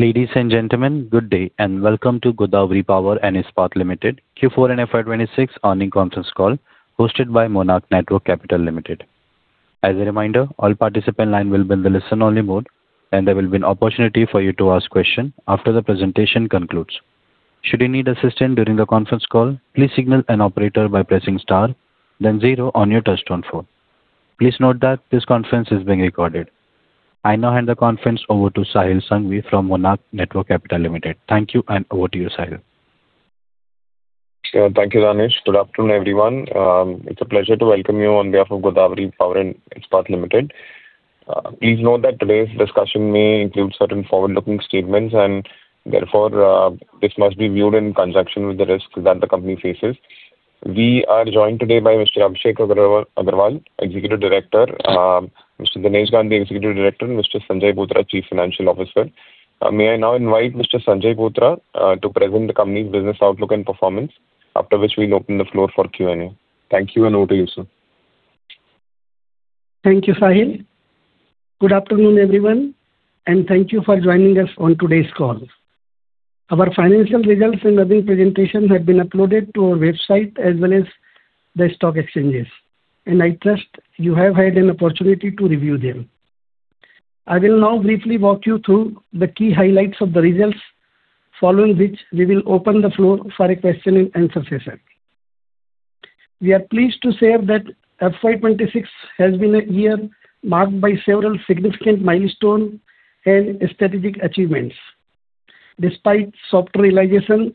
Ladies and gentlemen, good day, and welcome to Godawari Power & Ispat Limited Q4 and FY 2026 earnings conference call hosted by Monarch Networth Capital Limited. As a reminder, all participant lines will be in the listen-only mode, and there will be an opportunity for you to ask questions after the presentation concludes. Should you need assistance during the conference call, please signal an operator by pressing star then zero on your touchtone phone. Please note that this conference is being recorded. I now hand the conference over to Sahil Sanghvi from Monarch Networth Capital Limited. Thank you, and over to you, Sahil. Thank you, Danish. Good afternoon, everyone. It's a pleasure to welcome you on behalf of Godawari Power & Ispat Limited. Please note that today's discussion may include certain forward-looking statements, therefore, this must be viewed in conjunction with the risks that the company faces. We are joined today by Mr. Abhishek Agrawal, Executive Director, Mr. Dinesh Gandhi, Executive Director, and Mr. Sanjay Bothra, Chief Financial Officer. May I now invite Mr. Sanjay Bothra to present the company's business outlook and performance. After which we'll open the floor for Q&A. Thank you, over to you, sir. Thank you, Sahil. Good afternoon, everyone, and thank you for joining us on today's call. Our financial results and earning presentations have been uploaded to our website as well as the stock exchanges, and I trust you have had an opportunity to review them. I will now briefly walk you through the key highlights of the results, following which we will open the floor for a question and answer session. We are pleased to share that FY 2026 has been a year marked by several significant milestone and strategic achievements. Despite softer realization,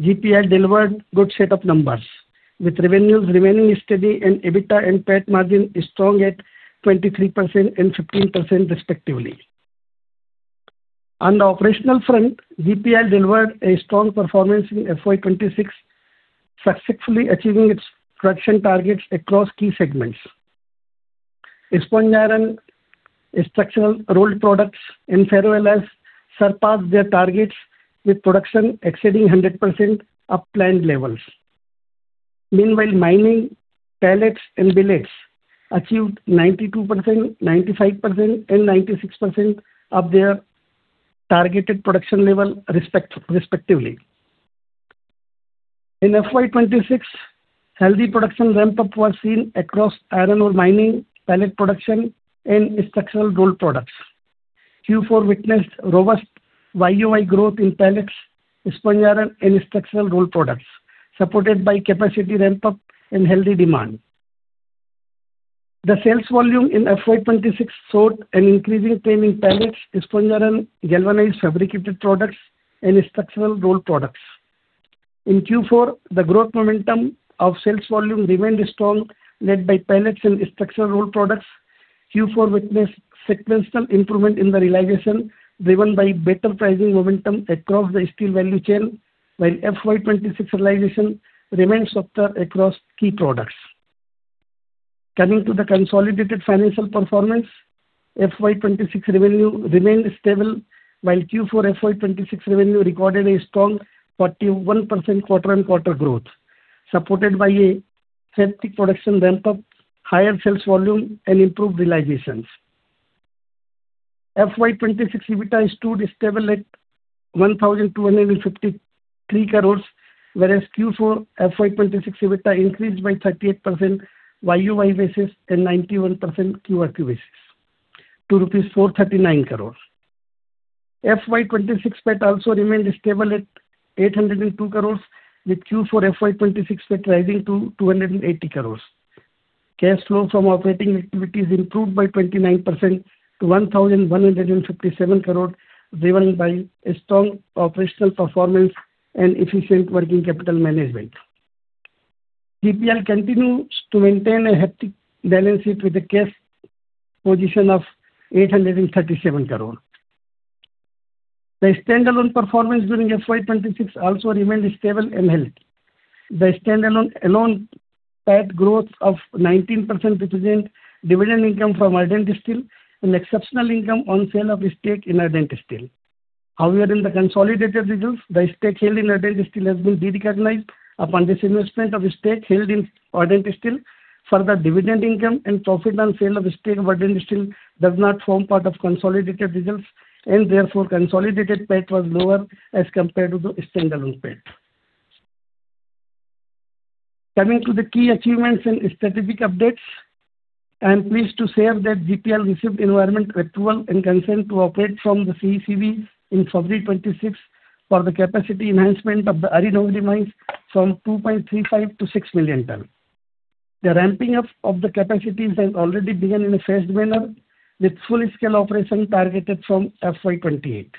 GPIL delivered good set of numbers, with revenues remaining steady and EBITDA and PAT margin is strong at 23% and 15% respectively. On the operational front, GPIL delivered a strong performance in FY 2026, successfully achieving its production targets across key segments. Sponge iron, Structural Rolled Products, and Ferroalloys surpassed their targets with production exceeding 100% of planned levels. Mining, pellets, and billets achieved 92%, 95%, and 96% of their targeted production level respectively. In FY 2026, healthy production ramp-up was seen across iron ore mining, pellet production, and structural rolled products. Q4 witnessed robust YoY growth in pellets, sponge iron, and structural rolled products, supported by capacity ramp-up and healthy demand. The sales volume in FY 2026 showed an increasing trend in pellets, sponge iron, galvanized fabricated products, and structural rolled products. In Q4, the growth momentum of sales volume remained strong, led by pellets and structural rolled products. Q4 witnessed sequential improvement in the realization, driven by better pricing momentum across the steel value chain, while FY 2026 realization remained softer across key products. Coming to the consolidated financial performance, FY 2026 revenue remained stable, while Q4 FY 2026 revenue recorded a strong 41% quarter-on-quarter growth, supported by a healthy production ramp-up, higher sales volume, and improved realizations. FY 2026 EBITDA stood stable at 1,253 crore, whereas Q4 FY 2026 EBITDA increased by 38% YoY basis and 91% QoQ basis to rupees 439 crore. FY 2026 PAT also remained stable at 802 crore, with Q4 FY 2026 PAT rising to 280 crore. Cash flow from operating activities improved by 29% to 1,157 crore, driven by a strong operational performance and efficient working capital management. GPIL continues to maintain a healthy balance sheet with a cash position of 837 crore. The standalone performance during FY 2026 also remained stable and healthy. The standalone PAT growth of 19% represent dividend income from Ardent Steel and exceptional income on sale of stake in Ardent Steel. In the consolidated results, the stake held in Ardent Steel has been derecognized upon disinvestment of stake held in Ardent Steel. Dividend income and profit on sale of stake of Ardent Steel does not form part of consolidated results, and therefore consolidated PAT was lower as compared to the standalone PAT. Coming to the key achievements and strategic updates. I am pleased to share that GPIL received environment approval and consent to operate from the CPCB in February 2026 for the capacity enhancement of the Ari Dongri mines from 2.35 million-6 million tons. The ramping up of the capacities has already begun in a phased manner, with full scale operation targeted from FY 2028.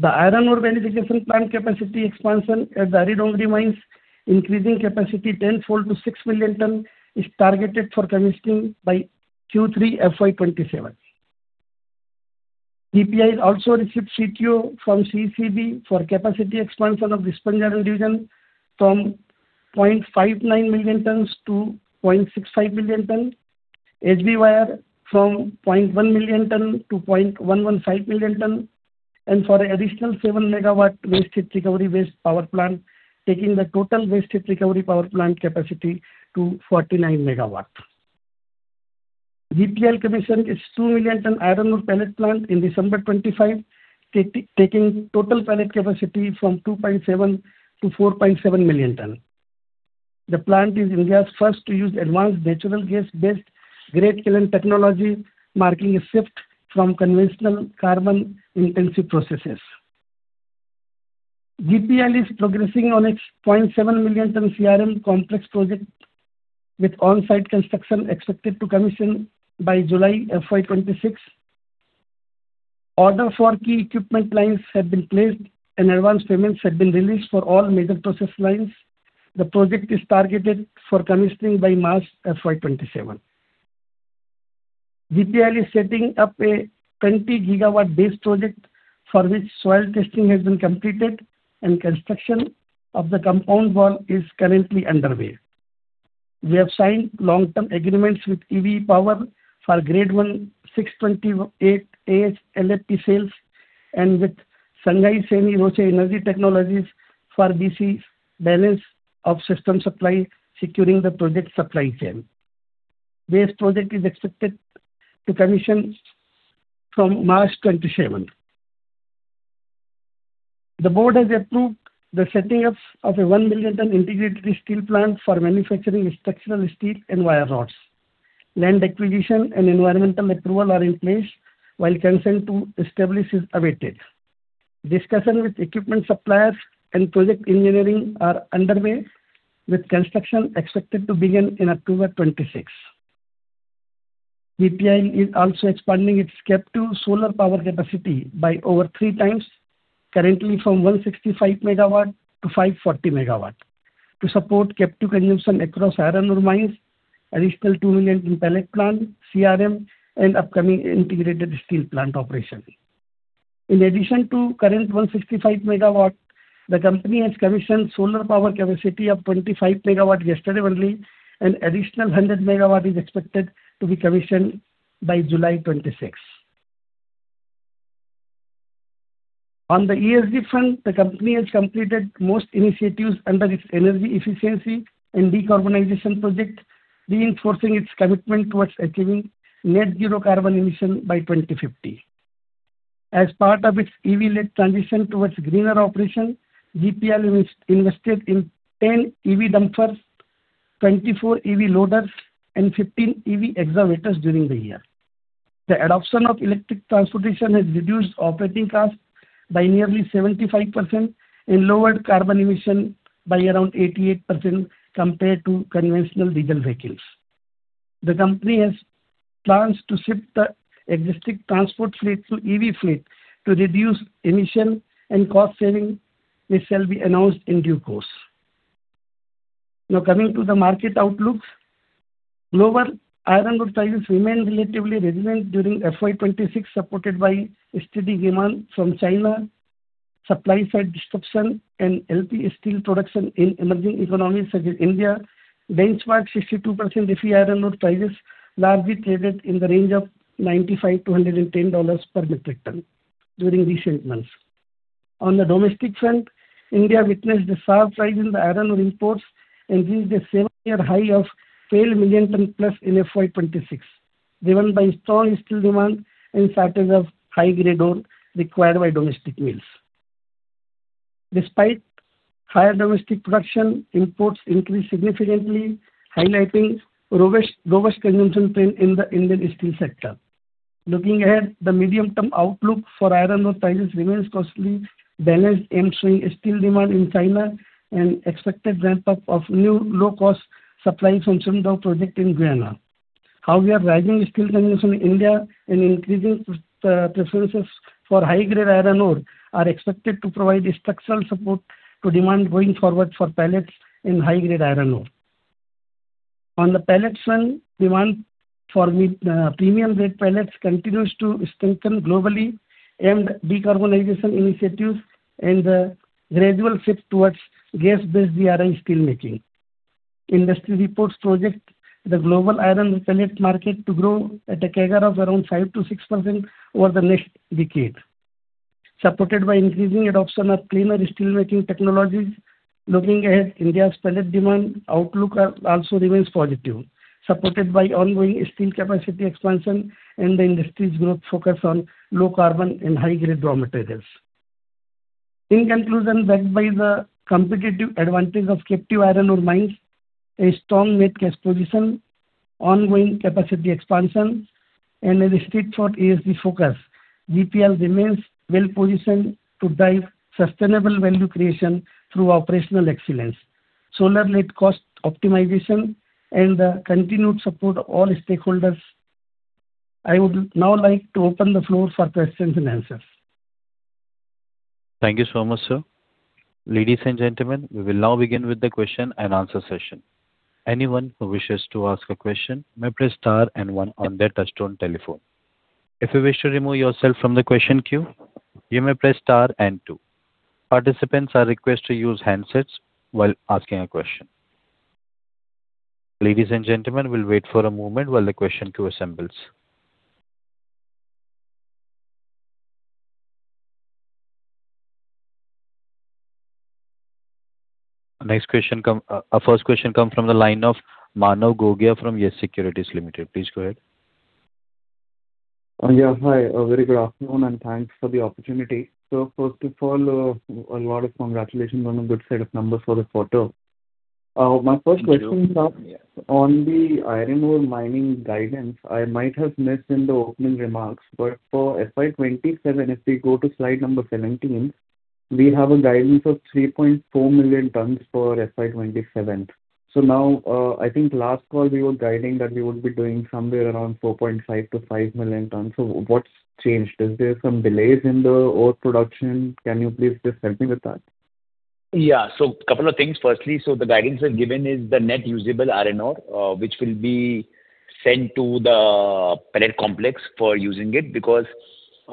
The iron ore beneficiation plant capacity expansion at the Ari Dongri mines, increasing capacity tenfold to 6 million ton, is targeted for commissioning by Q3 FY 2027. GPIL has also received CTO from CPCB for capacity expansion of the sponge iron division from 0.59 million-0.65 million tons. HB wire from 0.1 million-0.115 million tons. For additional 7 MW waste heat recovery-based power plant, taking the total waste heat recovery power plant capacity to 49 MW. GPIL commissioned its 2 million ton iron ore pellet plant in December 2025, taking total pellet capacity from 2.7million-4.7 million tons. The plant is India's first to use advanced natural gas-based grate-kiln technology, marking a shift from conventional carbon-intensive processes. GPIL is progressing on its 0.7 million ton CRM complex project with on-site construction expected to commission by July FY 2026. Orders for key equipment lines have been placed, and advance payments have been released for all major process lines. The project is targeted for commissioning by March FY 2027. GPIL is setting up a 20 GW BESS project for which soil testing has been completed and construction of the compound wall is currently underway. We have signed long-term agreements with EVE Power for Grade 1 628 AH LFP cells and with Shanghai Sermatec Energy Technologies for DC balance of system supply, securing the project supply chain. This project is expected to commission from March 2027. The board has approved the setting up of a 1 million tons integrated steel plant for manufacturing structural steel and wire rods. Land acquisition and environmental approval are in place while consent to establish is awaited. Discussion with equipment suppliers and project engineering are underway, with construction expected to begin in October 2026. GPIL is also expanding its captive solar power capacity by over 3x, currently from 165 MW to 540 MW, to support captive consumption across iron ore mines, additional 2 million in pellet plant, CRM, and upcoming integrated steel plant operation. In addition to current 165 MW, the company has commissioned solar power capacity of 25 MW yesterday only, and additional 100 MW is expected to be commissioned by July 2026. On the ESG front, the company has completed most initiatives under its energy efficiency and decarbonization project, reinforcing its commitment towards achieving net zero carbon emission by 2050. As part of its EV-led transition towards greener operation, GPL invested in 10 EV dumpers, 24 EV loaders, and 15 EV excavators during the year. The adoption of electric transportation has reduced operating costs by nearly 75% and lowered carbon emission by around 88% compared to conventional diesel vehicles. The company has plans to shift the existing transport fleet to EV fleet to reduce emission and cost saving. This shall be announced in due course. Coming to the market outlooks. Global iron ore prices remained relatively resilient during FY 2026, supported by steady demand from China, supply-side disruption, and healthy steel production in emerging economies such as India. Benchmark 62% Fe iron ore prices largely traded in the range of $95-$110 per metric ton during recent months. On the domestic front, India witnessed a sharp rise in the iron ore imports and reached a seven-year high of 12 million tons+ in FY 2026, driven by strong steel demand and shortage of high-grade ore required by domestic mills. Despite higher domestic production, imports increased significantly, highlighting robust consumption trend in the Indian steel sector. Looking ahead, the medium-term outlook for iron ore prices remains closely balanced, ensuing steel demand in China and expected ramp up of new low-cost supply from Simandou project in Guinea. Rising steel consumption in India and increasing preferences for high-grade iron ore are expected to provide structural support to demand going forward for pellets and high-grade iron ore. On the pellets front, demand for the premium-grade pellets continues to strengthen globally and decarbonization initiatives and the gradual shift towards gas-based DRI steel making. Industry reports project the global iron ore pellets market to grow at a CAGR of around 5%-6% over the next decade, supported by increasing adoption of cleaner steelmaking technologies. Looking ahead, India's pellet demand outlook also remains positive, supported by ongoing steel capacity expansion and the industry's growth focus on low carbon and high-grade raw materials. In conclusion, backed by the competitive advantage of captive iron ore mines, a strong net cash position, ongoing capacity expansion, and a strict ESG focus, GPIL remains well-positioned to drive sustainable value creation through operational excellence, solar-led cost optimization, and the continued support of all stakeholders. I would now like to open the floor for questions and answers. Thank you so much, sir. Ladies and gentlemen, we will now begin with the question and answer session. Anyone who wishes to ask a question may press star one on their touchtone telephone. If you wish to remove yourself from the question queue, you may press star two. Participants are requested to use handsets while asking a question. Ladies and gentlemen, we'll wait for a moment while the question queue assembles. Next question come from the line of Manav Gogia from YES Securities Limited. Please go ahead. Hi. A very good afternoon and thanks for the opportunity. First of all, a lot of congratulations on the good set of numbers for the quarter. My first question is on the iron ore mining guidance. I might have missed in the opening remarks, but for FY 2027, if we go to slide number 17, we have a guidance of 3.4 million tons for FY 2027. Now, I think last call we were guiding that we would be doing somewhere around 4.5 million-5 million tons. What's changed? Is there some delays in the ore production? Can you please just help me with that? Couple of things. Firstly, the guidance we've given is the net usable iron ore, which will be sent to the pellet complex for using it because we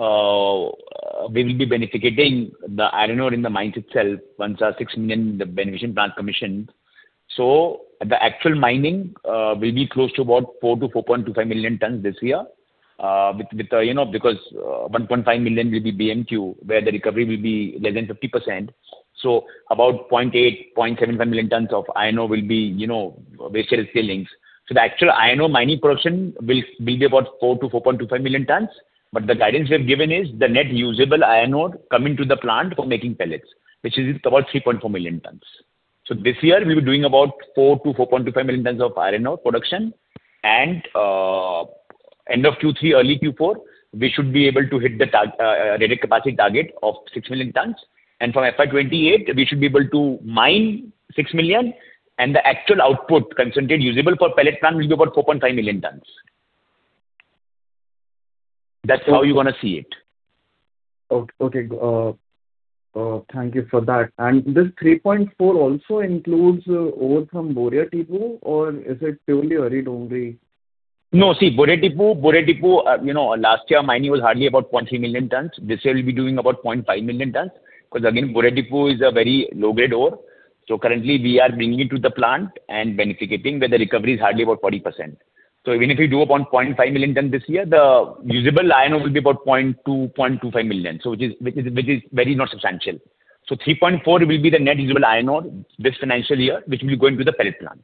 will be beneficiating the iron ore in the mines itself once our 6 million beneficiation plant commissions. The actual mining will be close to about 4million-4.25 million tons this year. With, you know, because 1.5 million will be BMQ, where the recovery will be less than 50%. About 0.8million, 0.75 million tons of iron ore will be, you know, waste and tailings. The actual iron ore mining production will be about 4 million-4.25 million tons, but the guidance we have given is the net usable iron ore coming to the plant for making pellets, which is about 3.4 million tons. This year we'll be doing about 4 million-4.25 million tons of iron ore production. End of Q3, early Q4, we should be able to hit the rated capacity target of 6 million tons. From FY 2028 we should be able to mine 6 million, and the actual output concentrate usable for pellet plant will be about 4.5 million tons. That's how you wanna see it. Okay. Thank you for that. This 3.4 million tons also includes ore from Boria Tibu or is it purely Ari Dongri? No. Boria Tibu, Boria Tibu, you know, last year mining was hardly about 0.3 million tons. This year we'll be doing about 0.5 million tons, again, Boria Tibu is a very low-grade ore. Currently we are bringing it to the plant and beneficating where the recovery is hardly about 40%. Even if we do about 0.5 million tons this year, the usable iron ore will be about 0.2, 0.25 million. Which is very not substantial. 3.4 million tons will be the net usable iron ore this financial year, which will be going to the pellet plant.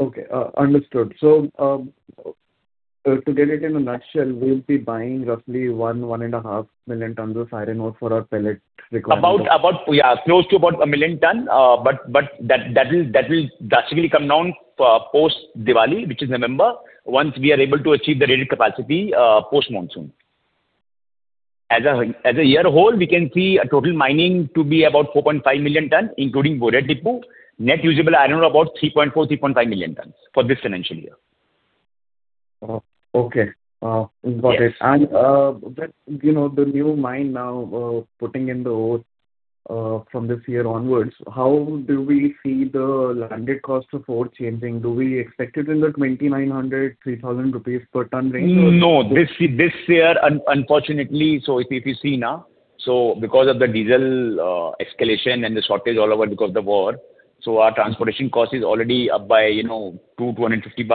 Okay. Understood. To get it in a nutshell, we'll be buying roughly 1.5 million tons of iron ore for our pellet requirement. About, yeah, close to 1 million ton. That will drastically come down post Diwali, which is November, once we are able to achieve the rated capacity post-monsoon. As a year whole, we can see a total mining to be about 4.5 million tons, including Boria Tibu. Net usable iron ore about 3.4 milion-3.5 million tons for this financial year. Oh, okay. Got it. Yes. That, you know, the new mine now, putting in the ore, from this year onwards, how do we see the landed cost of ore changing? Do we expect it in the 2,900-3,000 rupees per ton range or? No. This year unfortunately, if you see now, because of the diesel escalation and the shortage all over because of the war, our transportation cost is already up by, you know, INR 250.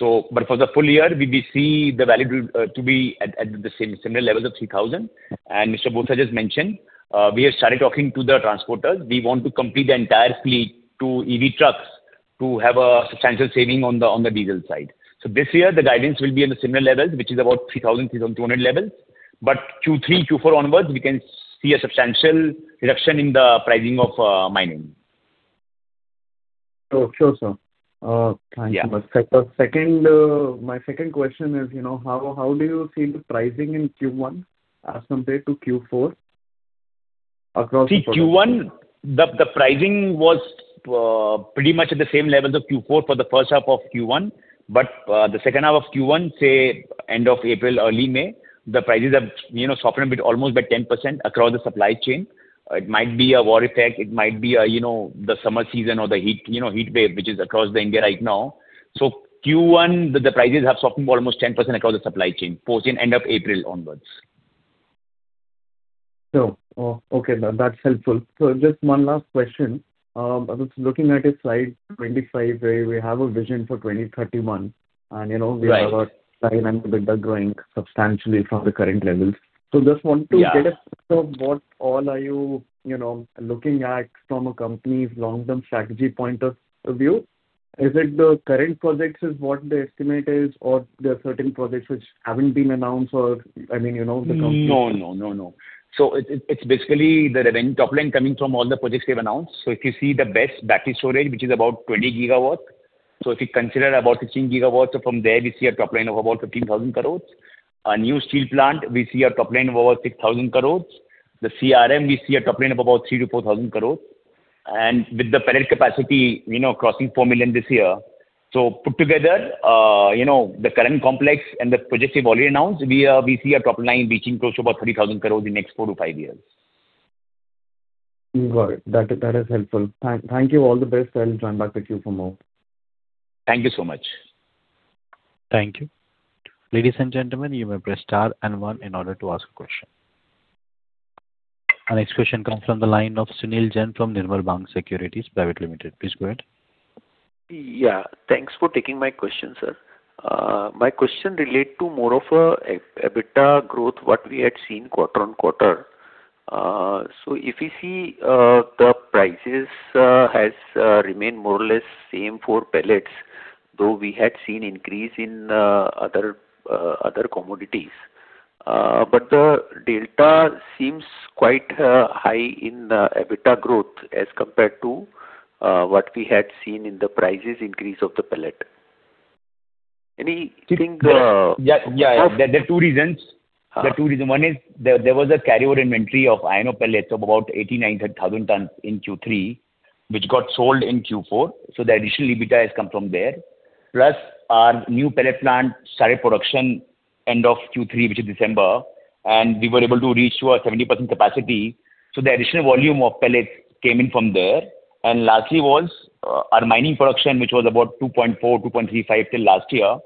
But for the full year, we see the value to be at the same, similar levels of 3,000. Mr. Bothra just mentioned, we have started talking to the transporters. We want to complete the entire fleet to EV trucks to have a substantial saving on the diesel side. This year the guidance will be in the similar levels, which is about 3,000-3,200 levels. Q3, Q4 onwards, we can see a substantial reduction in the pricing of mining. Oh, sure, sir. Thank you. Yeah. The second, my second question is, you know, how do you see the pricing in Q1 as compared to Q4 across? See Q1, the pricing was pretty much at the same levels of Q4 for the first half of Q1. The second half of Q1, say end of April, early May, the prices have, you know, softened a bit almost by 10% across the supply chain. It might be a war effect, it might be, you know, the summer season or the heat, you know, heat wave which is across India right now. Q1, the prices have softened by almost 10% across the supply chain, post in end of April onwards. Okay. That's helpful. Just one last question. I was looking at slide 25 where we have a vision for 2031 and, you know. Right. We have our revenue with the growing substantially from the current levels. Yeah. Get a sense of what all are you know, looking at from a company's long-term strategy point of view? Is it the current projects is what the estimate is or there are certain projects which haven't been announced or, I mean, you know, the company. No, no, no. It's basically the top line coming from all the projects we have announced. If you see the BESS battery storage, which is about 20 GW. If you consider about 15 GW, from there we see a top line of about 15,000 crore. Our new steel plant, we see a top line of over 6,000 crore. The CRM, we see a top line of about 3,000-4,000 crore. With the pellet capacity, you know, crossing 4 million this year. Put together, you know, the current complex and the projects we've already announced, we see our top line reaching close to about 30,000 crore in the next 4-5 years. Got it. That is helpful. Thank you. All the best. I'll join back with you for more. Thank you so much. Thank you. Ladies and gentlemen, you may press star and 1 in order to ask a question. Our next question comes from the line of Sunil Jain from Nirmal Bang Securities Private Limited. Please go ahead. Thanks for taking my question, sir. My question relate to more of EBITDA growth, what we had seen quarter-on-quarter. If you see, the prices has remained more or less same for pellets, though we had seen increase in other commodities. The delta seems quite high in the EBITDA growth as compared to what we had seen in the prices increase of the pellet. Yeah, yeah. There are two reasons. There are two reasons. One is there was a carryover inventory of iron ore pellets of about 89,300 tons in Q3, which got sold in Q4. The additional EBITDA has come from there. Our new pellet plant started production end of Q3, which is December, and we were able to reach to a 70% capacity. The additional volume of pellets came in from there. Lastly was our mining production, which was about 2.4 million, 2.35 million tons till last year.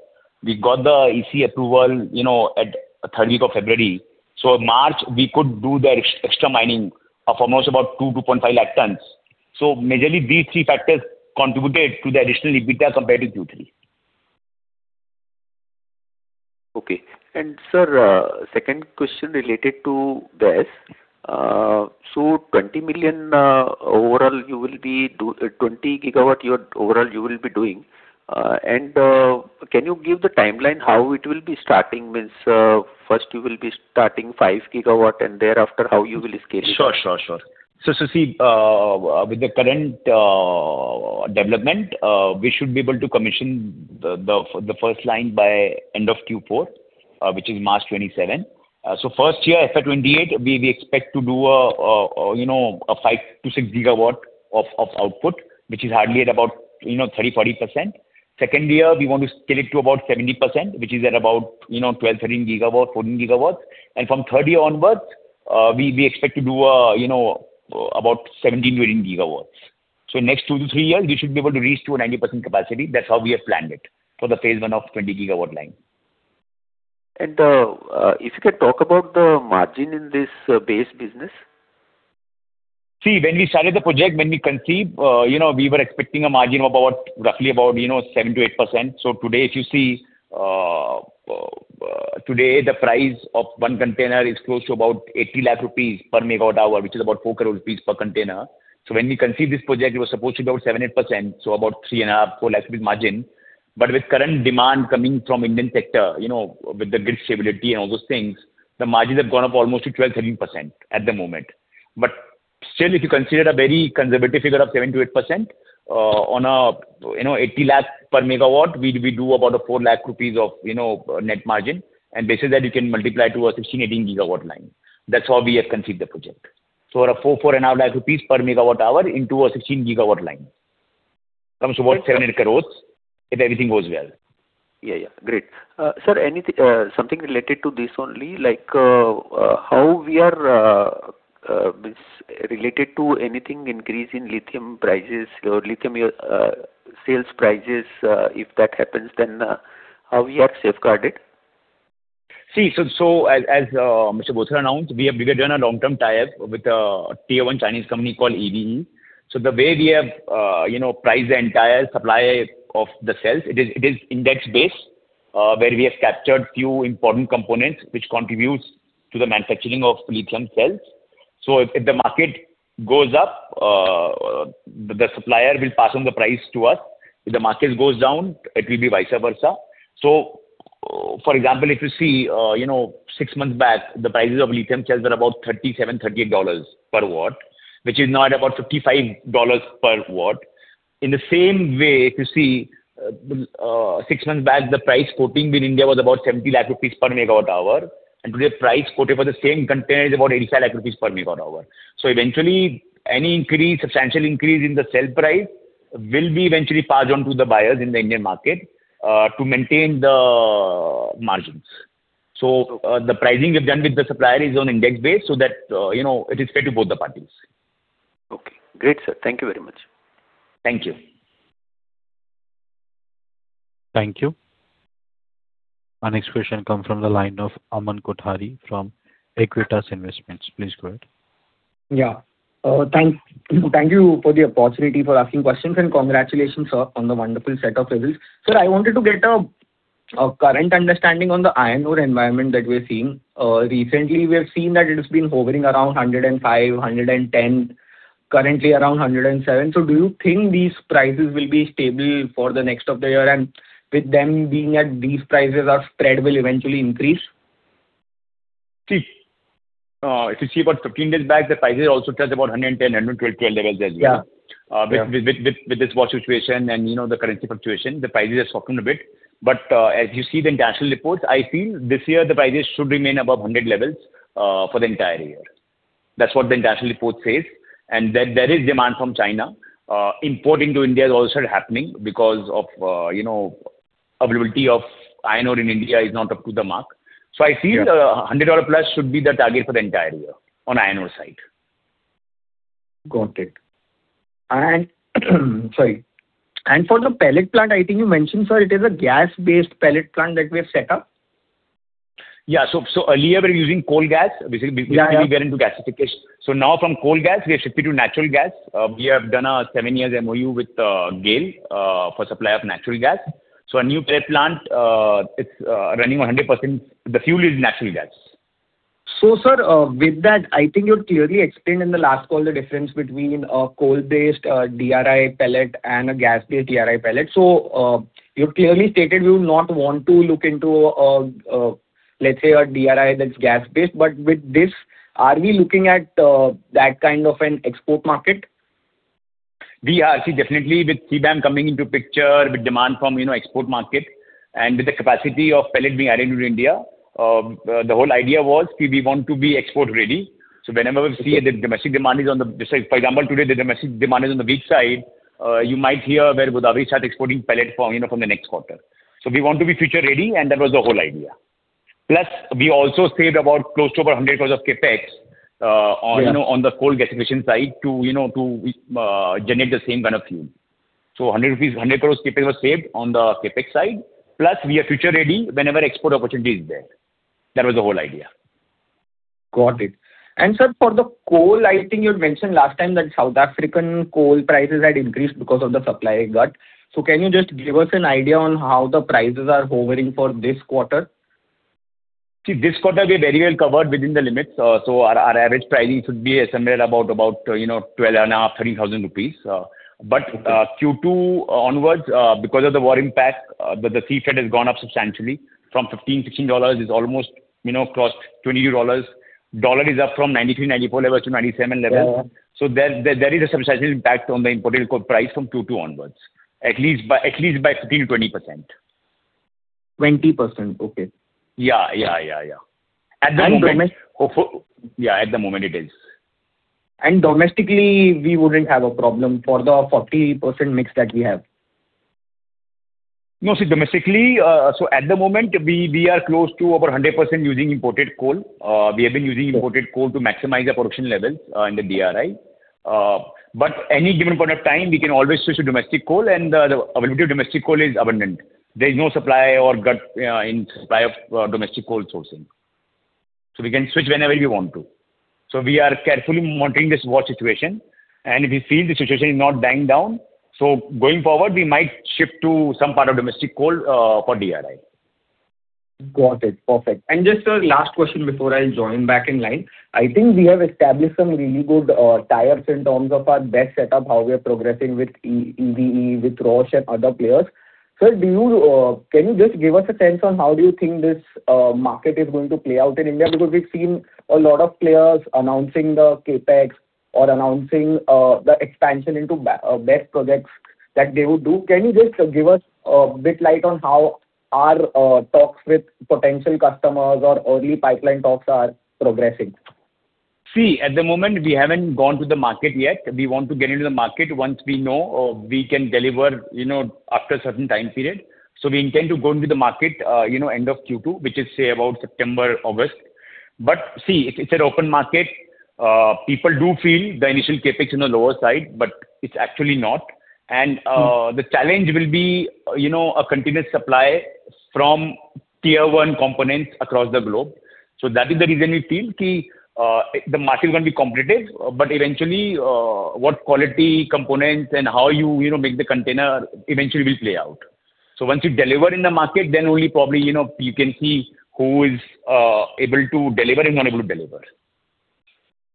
We got the EC approval, you know, at third week of February. March, we could do the extra mining of almost about 2.5 lakh tons. Majorly these three factors contributed to the additional EBITDA compared to Q3. Okay. Sir, second question related to gas. 20 million, 20 GW you're overall you will be doing. Can you give the timeline how it will be starting? Means, first you will be starting 5 GW and thereafter how you will scale it? Sure, sure. See, with the current development, we should be able to commission the first line by end of Q4, which is March 2027. First year, FY 2028, we expect to do a, you know, 5 GW-6 GW of output, which is hardly at about, you know, 30%-40%. Second year, we want to scale it to about 70%, which is at about, you know, 12 GW-13 GW, 14 GW. From third year onwards, we expect to do, you know, about 17 GW-18 GW. Next 2-3 years we should be able to reach to a 90% capacity. That's how we have planned it for the phase one of 20 GW line. If you can talk about the margin in this base business. See, when we started the project, when we conceived, you know, we were expecting a margin of about, roughly about, you know, 7%-8%. Today, if you see, today the price of one container is close to about 80 lakh rupees per megawatt hour, which is about 4 crore rupees per container. When we conceived this project it was supposed to be about 7%-8%, about INK 3.5 lakh, 4 lakh rupees margin. With current demand coming from Indian sector, you know, with the grid stability and all those things, the margins have gone up almost to 12%, 13% at the moment. Still, if you consider a very conservative figure of 7%-8%, on a, you know, 80 lakh per megawatt, we do about a 4 lakh rupees of, you know, net margin. This is that you can multiply to a 16 GW-18 GW line. That's how we have conceived the project. At a 4, 4.5 lakh rupees per megawatt hour into a 16 GW line. Comes to about 7 crore-8 crore if everything goes well. Yeah, yeah. Great. Sir, something related to this only, like, how we are, means related to anything increase in lithium prices or lithium cell prices. If that happens then, how we are safeguarded? As Mr. Bothra announced, we have begun a long-term tie-up with a tier one Chinese company called EVE. The way we have, you know, priced the entire supply of the cells, it is index based, where we have captured few important components which contributes to the manufacturing of lithium cells. If the market goes up, the supplier will pass on the price to us. If the market goes down, it will be vice versa. For example, if you see, you know, six months back the prices of lithium cells were about $37-$38 per watt, which is now at about $55 per watt. In the same way, if you see, six months back the price quoting in India was about 70 lakh rupees per megawatt hour. Today price quoted for the same container is about 85 lakh rupees per megawatt hour. Eventually any increase, substantial increase in the sale price will be eventually passed on to the buyers in the Indian market to maintain the margins. The pricing we've done with the supplier is on index base so that, you know, it is fair to both the parties. Okay. Great, sir. Thank you very much. Thank you. Thank you. Our next question comes from the line of Aman Kothari from Aequitas Investments. Please go ahead. Yeah. thank you for the opportunity for asking questions and congratulations sir on the wonderful set of results. Sir, I wanted to get a current understanding on the iron ore environment that we're seeing. recently we have seen that it has been hovering around $105, $110, currently around $107. Do you think these prices will be stable for the next of the year? With them being at these prices, our spread will eventually increase? See, if you see about 15 days back the prices also touched about $110, $112, 10 levels as well. Yeah. With this war situation and you know, the currency fluctuation, the prices have softened a bit. As you see the international reports, I feel this year the prices should remain above $100 levels for the entire year. That's what the international report says. There is demand from China. Import into India is also happening because of, you know, availability of iron ore in India is not up to the mark. I feel. Yeah. The $100+ should be the target for the entire year on iron ore side. Got it. Sorry. For the pellet plant, I think you mentioned sir it is a gas-based pellet plant that we have set up. Yeah. earlier we were using coal gas. Yeah. Before we get into gasification. Now from coal gas, we have shifted to natural gas. We have done a seven years MOU with GAIL, for supply of natural gas. Our new plant, it's running 100%. The fuel is natural gas. Sir, with that, I think you had clearly explained in the last call the difference between a coal-based DRI pellet and a gas-based DRI pellet. You've clearly stated you not want to look into a, let's say, a DRI that's gas-based. With this, are we looking at that kind of an export market? We are. Definitely with CBAM coming into picture, with demand from, you know, export market and with the capacity of pellet being added to India, the whole idea was we want to be export ready. Whenever we see the domestic demand, for example, today the domestic demand is on the weak side, you might hear where Godawari starts exporting pellet from, you know, from the next quarter. We want to be future ready, and that was the whole idea. Plus, we also saved about close to about 100 crores of CapEx. Yeah. On, you know, on the coal gasification side to, you know, to generate the same kind of fuel. 100 crore rupees CapEx was saved on the CapEx side. We are future ready whenever export opportunity is there. That was the whole idea. Got it. Sir, for the coal, I think you had mentioned last time that South African coal prices had increased because of the supply cut. Can you just give us an idea on how the prices are hovering for this quarter? This quarter we are very well covered within the limits. Our average pricing should be somewhere about, you know, twelve and a half, 13,000 rupees. Q2 onwards, because of the war impact, the sea freight has gone up substantially from $15-$16 is almost, you know, crossed $22. Dollar is up from 93-94 level to 97 levels. Yeah. There is a substantial impact on the imported coal price from Q2 onwards, at least by 15, 20%. 20%? Okay. Yeah, yeah, yeah. Domestically. Yeah, at the moment it is. Domestically, we wouldn't have a problem for the 40% mix that we have. No. See, domestically, at the moment we are close to over 100% using imported coal. We have been using imported coal to maximize our production levels in the DRI. Any given point of time, we can always switch to domestic coal and the availability of domestic coal is abundant. There is no supply or cut in supply of domestic coal sourcing. We can switch whenever we want to. We are carefully monitoring this war situation, and if we feel the situation is not dying down, going forward, we might shift to some part of domestic coal for DRI. Got it. Perfect. Just a last question before I join back in line. I think we have established some really good tie-ups in terms of our BESS setup, how we are progressing with EVE, with Roche Energy and other players. Sir, do you, can you just give us a sense on how do you think this market is going to play out in India? We've seen a lot of players announcing the CapEx or announcing the expansion into BESS projects that they would do. Can you just give us a bit light on how our talks with potential customers or early pipeline talks are progressing? See, at the moment we haven't gone to the market yet. We want to get into the market once we know, we can deliver, you know, after a certain time period. We intend to go into the market, you know, end of Q2, which is say about September, August. See, it's an open market. People do feel the initial CapEx in the lower side, but it's actually not. The challenge will be, you know, a continuous supply from tier one components across the globe. That is the reason we feel the market is going to be competitive, but eventually, what quality components and how you know, make the container eventually will play out. Once you deliver in the market, then only probably, you know, you can see who is able to deliver and unable to deliver.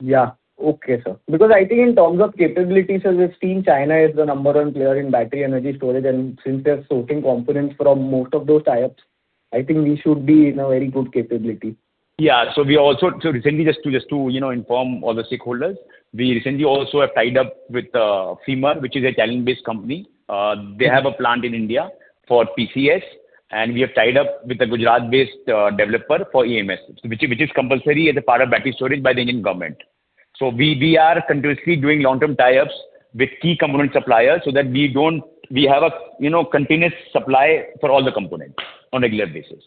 Yeah. Okay, sir. I think in terms of capabilities, sir, we've seen China is the number one player in battery energy storage, and since they're sourcing components from most of those tie-ups, I think we should be in a very good capability. Yeah. Recently just to, you know, inform all the stakeholders, we recently also have tied up with FEMA, which is a Thailand-based company. They have a plant in India for PCS. We have tied up with a Gujarat-based developer for EMS, which is compulsory as a part of battery storage by the Indian government. We are continuously doing long-term tie-ups with key component suppliers so that we have a, you know, continuous supply for all the components on a regular basis.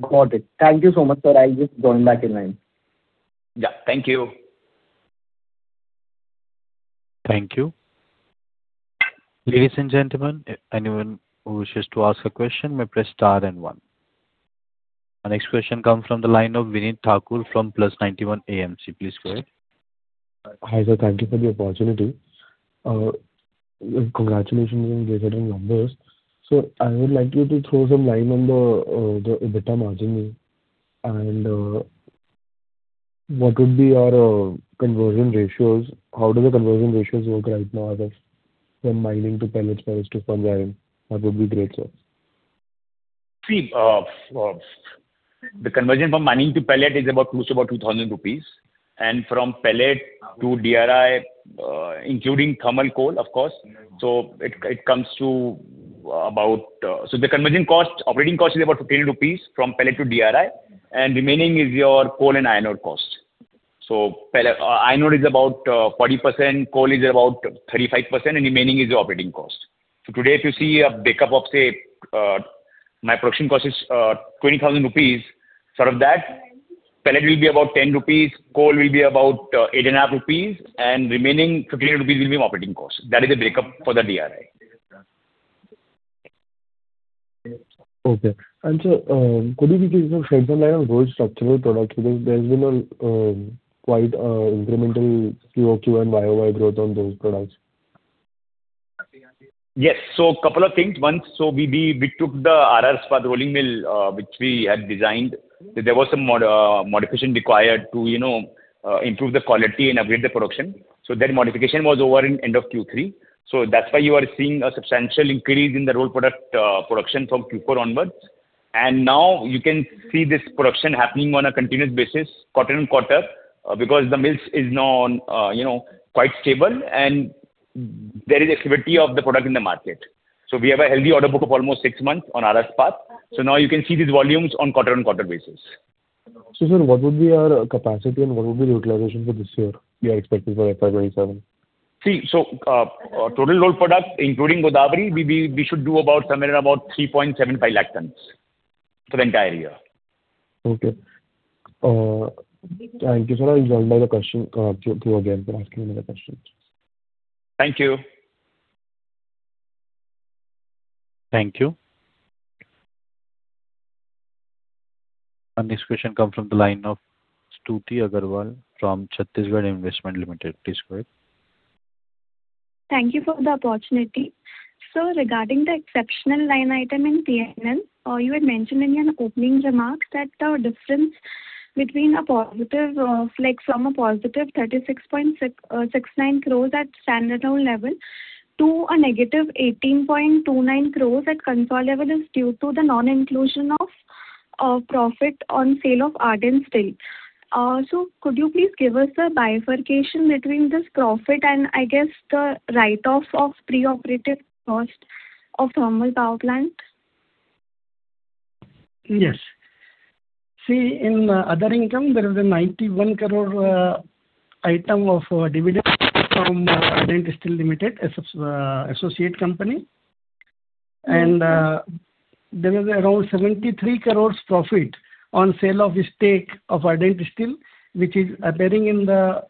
Got it. Thank you so much, sir. I'll just join back in line. Yeah. Thank you. Thank you. Ladies and gentlemen, if anyone wishes to ask a question may press star then one. Our next question comes from the line of Vinit Thakur from Plus 91 AMC. Please go ahead. Hi, sir. Thank you for the opportunity. Congratulations on generating numbers. I would like you to throw some light on the EBITDA margin and what would be your conversion ratios. How do the conversion ratios work right now from mining to pellets to ferromanganese? That would be great, sir. See, the conversion from mining to pellet is about close to about 2,000 rupees, and from pellet to DRI, including thermal coal, of course. The conversion cost, operating cost is about 15 rupees from pellet to DRI, and remaining is your coal and iron ore cost. Pellet, iron ore is about 40%, coal is about 35%, and remaining is your operating cost. Today, if you see a breakup of, say, my production cost is 20,000 rupees. Out of that, pellet will be about 10 rupees, coal will be about 8.5 rupees, and remaining 15 rupees will be my operating cost. That is the breakup for the DRI. Okay. Could you please shed some light on those structural products? Because there's been a, quite a incremental QoQ and YoY growth on those products. Yes. Couple of things. One, we took the R.R. Ispat for the rolling mill which we had designed. There was some modification required to, you know, improve the quality and upgrade the production. That modification was over in end of Q3. That's why you are seeing a substantial increase in the rolled product production from Q4 onwards. Now you can see this production happening on a continuous basis quarter-on-quarter because the mills is now, you know, quite stable and there is activity of the product in the market. We have a healthy order book of almost six months on R.R Ispat. Now you can see these volumes on quarter-on-quarter basis. Sir, what would be our capacity and what would be utilization for this year we are expecting for FY 2027? See, total rolled product including Godawari, we should do about somewhere about 3.75 lakh tons for the entire year. Okay. Thank you, sir. I'll hand over the question, to again for asking another question. Thank you. Thank you. Our next question comes from the line of Stuti Agarwal from Chhatisgarh Investment Limited. Please go ahead. Thank you for the opportunity. Sir, regarding the exceptional line item in P&L, you had mentioned in your opening remarks that the difference between a positive, like from a +36.69 crores at standalone level to a -18.29 crores at consolidated level is due to the non-inclusion of profit on sale of Ardent Steel. Could you please give us a bifurcation between this profit and I guess the write-off of pre-operative cost of thermal power plant? Yes. See, in other income there is a 91 crore item of dividend from Ardent Steel Limited, associate company. There is around 73 crore profit on sale of the stake of Ardent Steel, which is appearing in the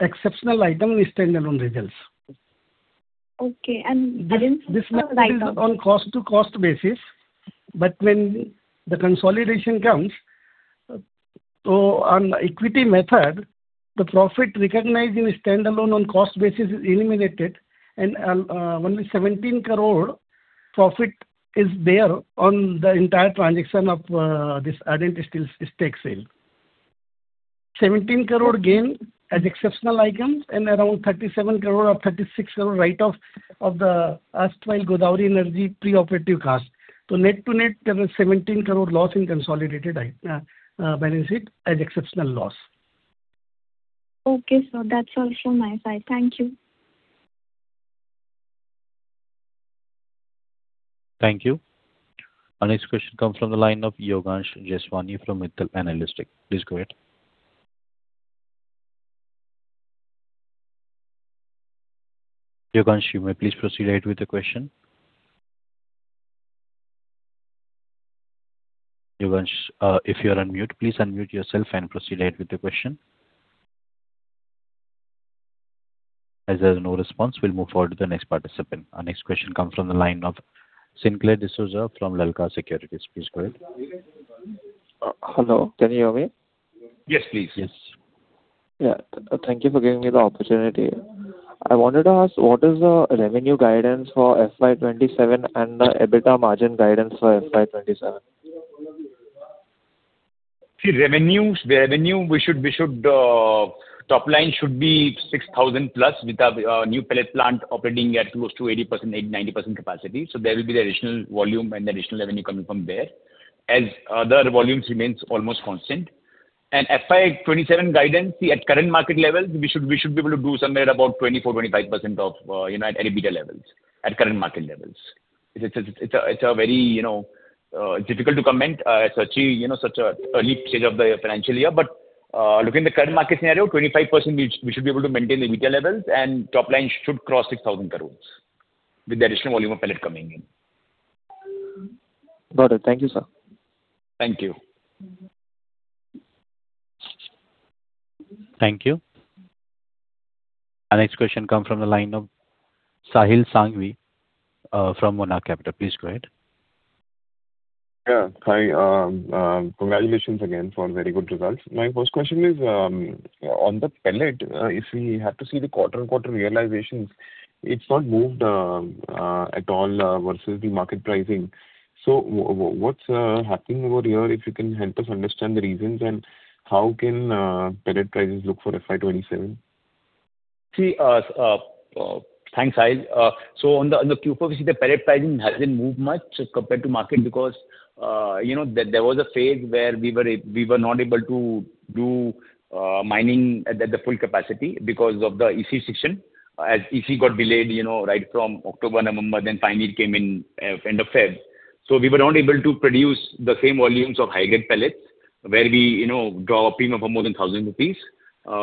exceptional item in standalone results. Okay. I didn't see that item. This method is on cost to cost basis. When the consolidation comes, so on equity method, the profit recognized in standalone on cost basis is eliminated and only 17 crore profit is there on the entire transaction of this Ardent Steel stake sale. 17 crore gain as exceptional items and around 37 crore or 36 crore write-off of the erstwhile Godawari Energy pre-operative cost. Net to net there is 17 crore loss in consolidated balance sheet as exceptional loss. Okay, sir. That's all from my side. Thank you. Thank you. Our next question comes from the line of Yogansh Jeswani from Mittal Analytics. Please go ahead. Yogansh, you may please proceed ahead with the question. Yogansh, if you are on mute, please unmute yourself and proceed ahead with the question. As there is no response, we'll move forward to the next participant. Our next question comes from the line of Synclair Dsouza from Lalkar Securities. Please go ahead. Hello, can you hear me? Yes, please. Yes. Yeah. Thank you for giving me the opportunity. I wanted to ask what is the revenue guidance for FY 2027 and the EBITDA margin guidance for FY 2027. See revenues, the revenue we should top line should be 6,000 plus with our new pellet plant operating at close to 80%-90% capacity. There will be the additional volume and the additional revenue coming from there as other volumes remains almost constant. FY 2027 guidance, see at current market level, we should be able to do somewhere about 24%-25% of, you know, at EBITDA levels, at current market levels. It's a very, you know, difficult to comment as actually, you know, such a early stage of the financial year. Looking at the current market scenario, 25% we should be able to maintain the EBITDA levels and top line should cross 6,000 crores with the additional volume of pellet coming in. Got it. Thank you, sir. Thank you. Thank you. Our next question comes from the line of Sahil Sanghvi, from Monarch Capital. Please go ahead. Hi. Congratulations again for very good results. My first question is on the pellet. If we have to see the quarter-on-quarter realizations, it's not moved at all versus the market pricing. What's happening over here, if you can help us understand the reasons and how can pellet prices look for FY 2027? See, thanks, Sahil. On the Q4, we see the pellet pricing hasn't moved much as compared to market because, you know, there was a phase where we were not able to do mining at the full capacity because of the EC sanction. As EC got delayed, you know, right from October, November, finally it came in end of February. We were not able to produce the same volumes of high-grade pellets where we, you know, draw a premium of more than 1,000 rupees.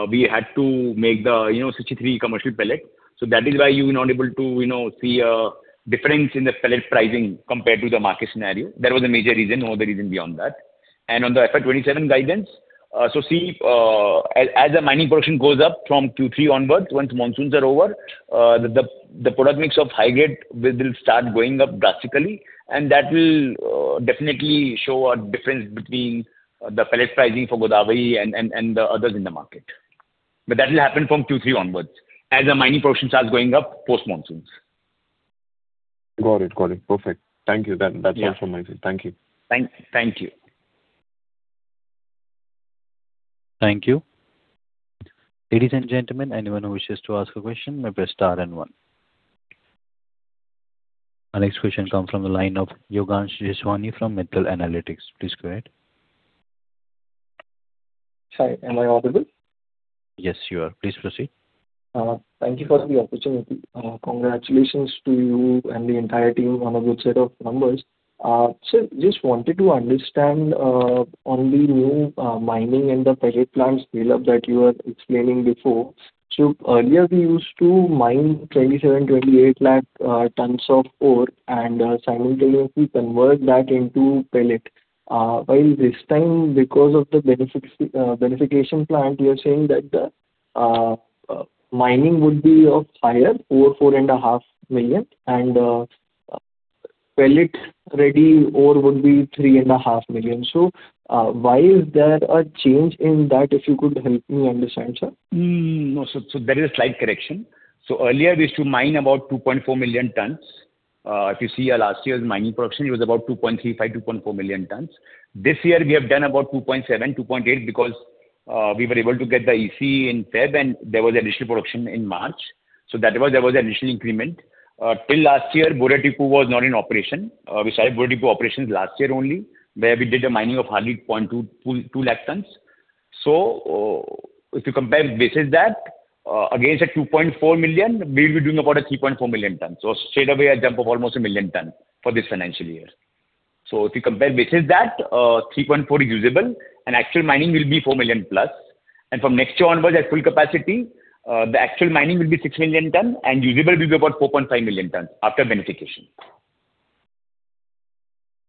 We had to make the, you know, 63 commercial pellet. That is why you're not able to, you know, see a difference in the pellet pricing compared to the market scenario. That was a major reason. No other reason beyond that. On the FY 2027 guidance, see, as the mining production goes up from Q3 onwards, once monsoons are over, the product mix of high grade will start going up drastically and that will definitely show a difference between the pellet pricing for Godawari and the others in the market. That will happen from Q3 onwards as the mining production starts going up post monsoons. Got it. Got it. Perfect. Thank you. Yeah. That's all from my side. Thank you. Thank you. Thank you. Ladies and gentlemen, anyone who wishes to ask a question may press star and one. Our next question comes from the line of Yogansh Jeswani from Mittal Analytics. Please go ahead. Hi, am I audible? Yes, you are. Please proceed. Thank you for the opportunity. Congratulations to you and the entire team on a good set of numbers. Just wanted to understand on the new mining and the pellet plant scale-up that you were explaining before. Earlier we used to mine 27 lakh-28 lakh tons of ore and simultaneously convert that into pellet. While this time, because of the beneficiation plant, you are saying that the mining would be of higher, 4million-4.5 million and pellet-ready ore would be 3.5 million. Why is there a change in that? If you could help me understand, sir. No. There is a slight correction. Earlier we used to mine about 2.4 million tons. If you see our last year's mining production, it was about 2.35-million-2.4 million tons. This year we have done about 2.7 million-2.8million tons because we were able to get the EC in February and there was additional production in March. There was an additional increment. Till last year, Boria Tibu was not in operation. We started Boria Tibu operations last year only, where we did a mining of hardly 200,000 tons. If you compare basis that, against the 2.4 million, we'll be doing about 3.4 million tons. Straightaway a jump of almost 1 million tons for this financial year. If you compare basis that, 3.4 million is usable and actual mining will be 4 million+. From next year onwards at full capacity, the actual mining will be 6 million ton and usable will be about 4.5 million tons after beneficiation.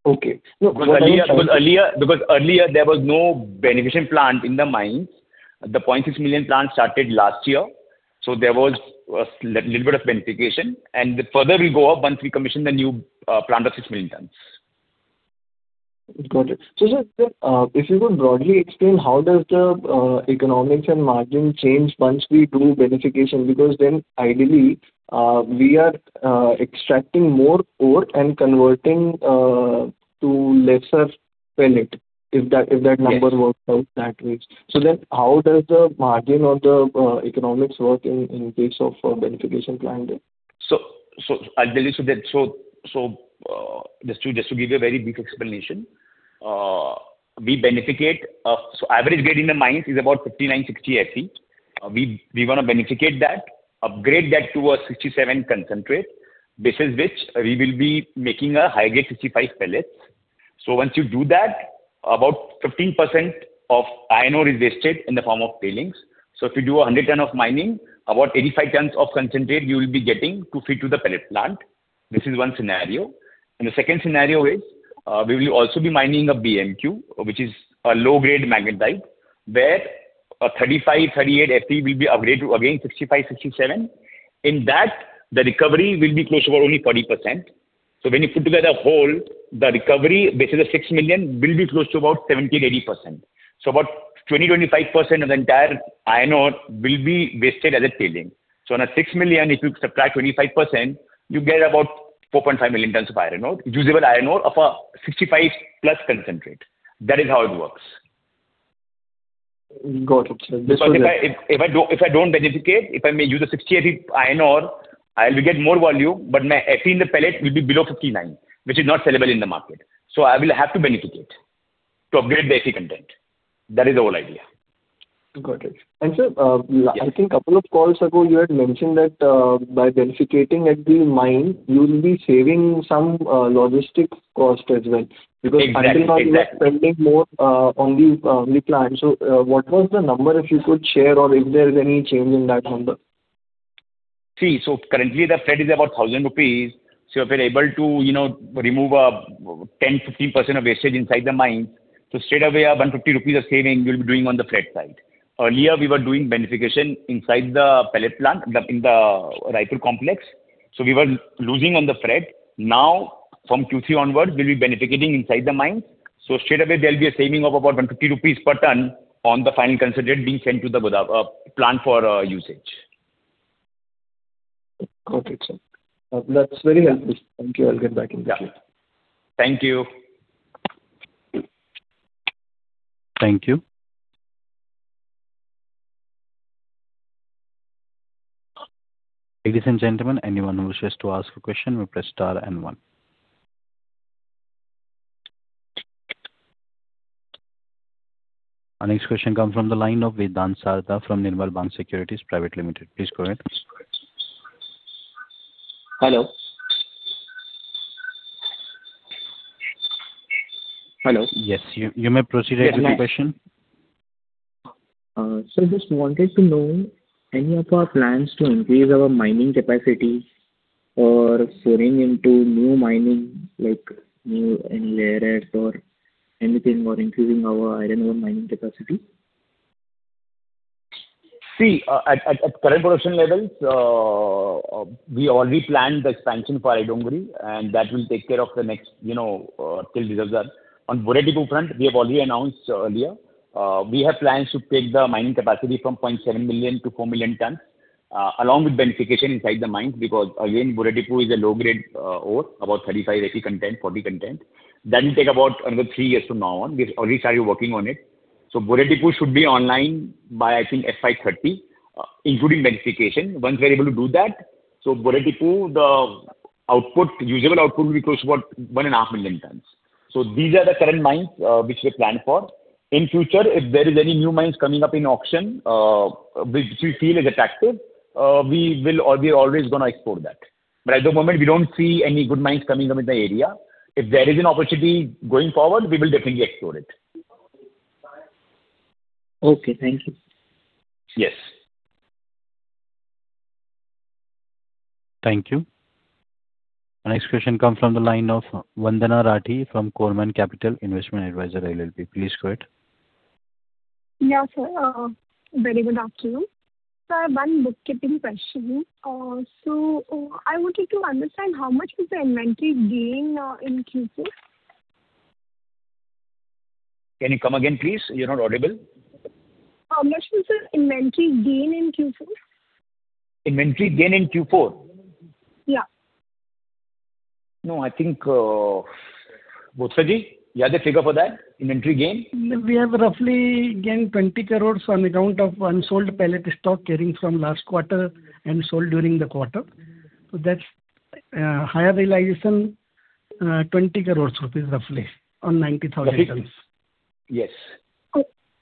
Okay. Because earlier there was no beneficiation plant in the mines. The 0.6 million plant started last year, so there was a little bit of beneficiation. Further we go up once we commission the new plant of 6 million tons. Got it. Just, if you could broadly explain how does the economics and margin change once we do beneficiation, because then ideally, we are extracting more ore and converting to lesser pellet, if that number works out that way. Then how does the margin or the economics work in case of a beneficiation plant? I'll tell you. Just to give you a very brief explanation. We beneficiate, average grade in the mines is about 59-60 Fe. We want to beneficiate that, upgrade that to a 67 concentrate. Basis which we will be making a high-grade 65 pellets. Once you do that, about 15% of iron ore is wasted in the form of tailings. If you do a 100 tons of mining, about 85 tons of concentrate you will be getting to feed to the pellet plant. This is 1 scenario. The second scenario is, we will also be mining a BMQ, which is a low-grade magnetite, where a 35-38 Fe will be upgraded to again 65-67. In that, the recovery will be close to about only 40%. When you put together whole, the recovery basis of 6 million will be close to about 70%-80%. About 20%-25% of the entire iron ore will be wasted as a tailing. On a 6 million, if you subtract 25%, you get about 4.5 million tons of iron ore, usable iron ore of a 65+ concentrate. That is how it works. Got it, sir. If I don't beneficiate, if I may use a 60 Fe iron ore, I will get more value, but my Fe in the pellet will be below 59, which is not sellable in the market. I will have to beneficiate to upgrade the Fe content. That is the whole idea. Got it. Sir, I think couple of calls ago you had mentioned that, by beneficiating at the mine you will be saving some logistic cost as well. Exactly. Exactly. Because spending more on the on the plant. What was the number if you could share or if there's any change in that number? Currently the freight is about 1,000 rupees. If you're able to, you know, remove 10%, 15% of wastage inside the mine, straightaway an 150 rupees of saving you'll be doing on the freight side. Earlier we were doing beneficiation inside the pellet plant, the, in the Raipur complex. We were losing on the freight. Now from Q3 onwards we'll be beneficiating inside the mine. Straightaway there'll be a saving of about 150 rupees per ton on the final concentrate being sent to the Godawari plant for usage. Got it, sir. That's very helpful. Thank you. I'll get back into you. Yeah. Thank you. Thank you. Ladies and gentlemen, anyone who wishes to ask a question may press star and 1. Our next question comes from the line of Vedant Sharda from Nirmal Bang Securities Private Limited. Please go ahead. Hello? Hello? Yes. You may proceed with your question. I just wanted to know any of our plans to increase our mining capacity or soaring into new mining like new, any rare earths or anything, or increasing our iron ore mining capacity? See, at current production levels, we already planned the expansion for Ari Dongri, and that will take care of the next, you know, till these are done. On Boria Tibu front, we have already announced earlier. We have plans to take the mining capacity from 0.7 million-4 million tons, along with beneficiation inside the mine because again, Boria Tibu is a low-grade ore, about 35% Fe content, 40% content. That will take about another three years from now on. We've already started working on it. Boria Tibu should be online by, I think, FY 2030, including beneficiation. Once we're able to do that, Boria Tibu, the output, usable output will be close to about 1.5 million tons. These are the current mines which we've planned for. In future, if there is any new mines coming up in auction, which we feel is attractive, we will or we are always gonna explore that. At the moment we don't see any good mines coming up in the area. If there is an opportunity going forward, we will definitely explore it. Okay. Thank you. Yes. Thank you. Our next question comes from the line of Vandana Rathi from Korman Capital Investment Advisers LLP. Please go ahead. Yeah, sir. Very good afternoon. Sir, one bookkeeping question. I wanted to understand how much was the inventory gain in Q4? Can you come again, please? You're not audible. How much was the inventory gain in Q4? Inventory gain in Q4? Yeah. No, I think, Bothra Sanjay, you have the figure for that, inventory gain? We have roughly gained 20 crore on account of unsold pellet stock carrying from last quarter and sold during the quarter. That's higher realization, 20 crore rupees roughly on 90,000 tons. Yes.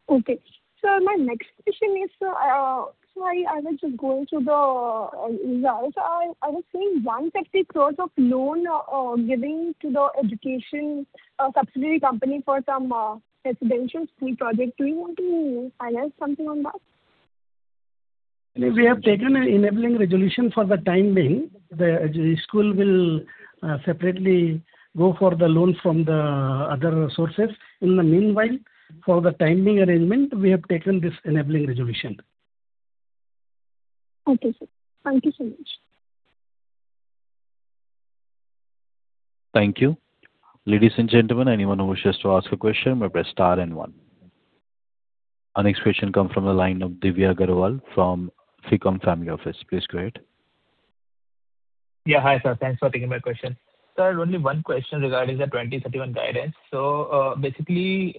Okay. Sir, my next question is, I want to go into the results. I was seeing 150 crores of loan given to the education subsidiary company for some residential school project. Do you want to elaborate something on that? We have taken an enabling resolution for the time being. The school will separately go for the loan from the other sources. In the meanwhile, for the time being arrangement, we have taken this enabling resolution. Okay, sir. Thank you so much. Thank you. Ladies and gentlemen, anyone who wishes to ask a question may press star and one. Our next question comes from the line of Divya Agarwal from Ficom Family Office. Please go ahead. Yeah. Hi, sir. Thanks for taking my question. Sir, only one question regarding the 2031 guidance. Basically,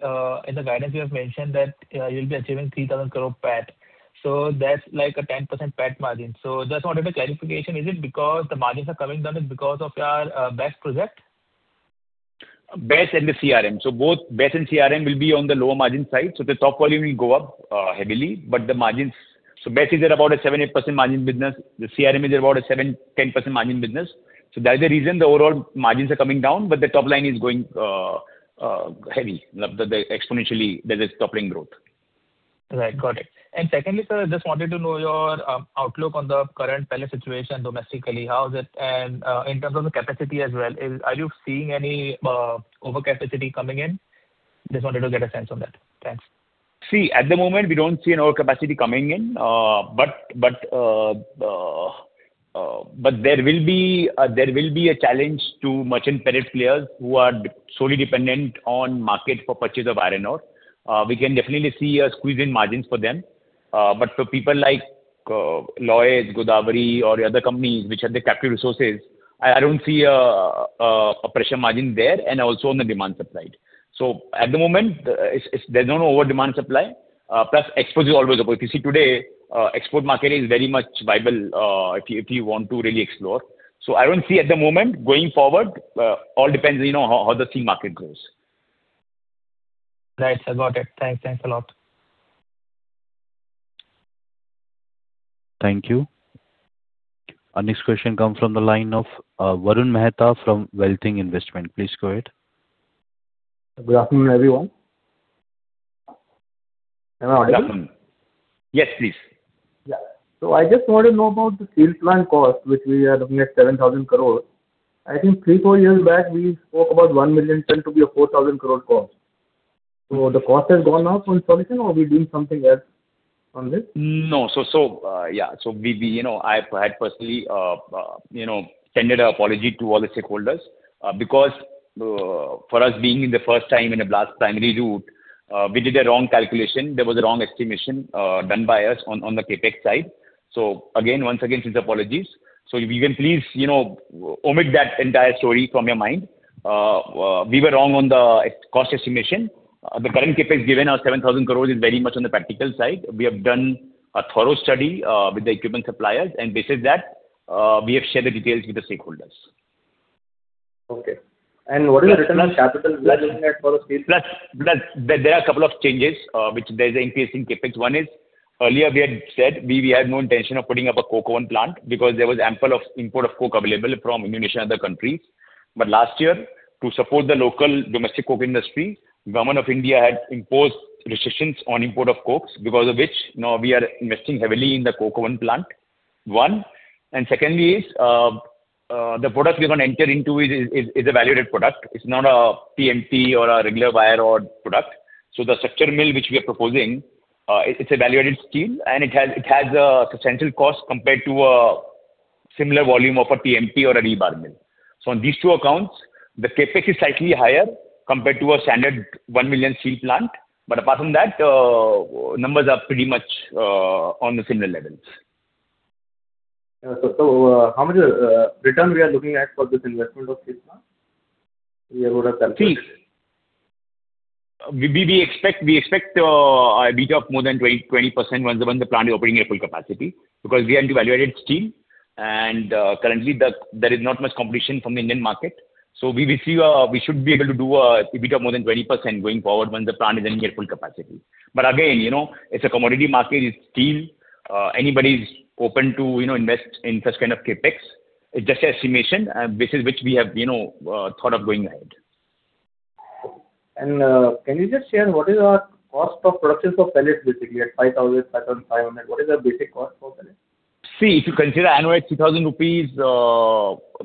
in the guidance you have mentioned that you'll be achieving 3,000 crore PAT. That's like a 10% PAT margin. Just wanted a clarification. Is it because the margins are coming down is because of your BESS project? BESS and the CRM. Both BESS and CRM will be on the lower margin side. The top volume will go up heavily, but the margins BESS is at about a 7%-8% margin business. The CRM is about a 7%-10% margin business. That is the reason the overall margins are coming down. The top line is going heavy. Exponentially there is top line growth. Right. Got it. Secondly, sir, just wanted to know your outlook on the current pellet situation domestically. How is it and in terms of the capacity as well, are you seeing any overcapacity coming in? Just wanted to get a sense on that. Thanks. See, at the moment, we don't see an overcapacity coming in. There will be a challenge to merchant pellet players who are solely dependent on market for purchase of iron ore. We can definitely see a squeeze in margins for them. For people like Lloyds, Godawari or other companies which have the captive resources, I don't see a pressure margin there and also on the demand supply. At the moment, it's there's no over demand supply. Plus export is always available. You see today, export market is very much viable if you want to really explore. I don't see at the moment going forward, all depends, you know, how the sea market goes. Right. I got it. Thanks. Thanks a lot. Thank you. Our next question comes from the line of Varun Mehta from WealthInc Investment. Please go ahead. Good afternoon, everyone. Am I audible? Good afternoon. Yes, please. Yeah. I just want to know about the steel plant cost, which we are looking at 7,000 crore. I think three, four years back we spoke about 1 million ton to be a 4,000 crore cost. The cost has gone up on this project or we doing something else on this? No. Yeah. We you know, I had personally you know, tendered an apology to all the stakeholders, because for us being in the first time in a blast primary route, we did a wrong calculation. There was a wrong estimation done by us on the CapEx side. Again, once again, sincere apologies. If you can please, you know, omit that entire story from your mind. We were wrong on the cost estimation. The current CapEx given us 7,000 crore is very much on the practical side. We have done a thorough study with the equipment suppliers, and based on that, we have shared the details with the stakeholders. Okay. What are the returns on capital we are looking at for the steel? There are a couple of changes, which there's an increase in CapEx. One is earlier we had said we had no intention of putting up a coke oven plant because there was ample of import of coke available from Indonesia and other countries. Last year, to support the local domestic coke industry, Government of India had imposed restrictions on import of cokes, because of which now we are investing heavily in the coke oven plant. One. Secondly is, the product we're gonna enter into is a value-added product. It's not a TMT or a regular wire rod product. The structure mill which we are proposing, it's a value-added steel, and it has a substantial cost compared to a similar volume of a TMT or a rebar mill. On these two accounts, the CapEx is slightly higher compared to a standard 1 million steel plant. Apart from that, numbers are pretty much on the similar levels. How much return we are looking at for this investment of steel plant? We would have calculated. See, we expect a EBITDA of more than 20% once the plant is operating at full capacity because we are into value-added steel and currently there is not much competition from the Indian market. We should be able to do a EBITDA of more than 20% going forward once the plant is running at full capacity. Again, you know, it's a commodity market. It's steel. Anybody's open to, you know, invest in such kind of CapEx. It's just an estimation, basis which we have, you know, thought of going ahead. Can you just share what is our cost of production for pellets basically at 5,000, 5,500? What is the basic cost for pellets? If you consider annual 2,000 rupees,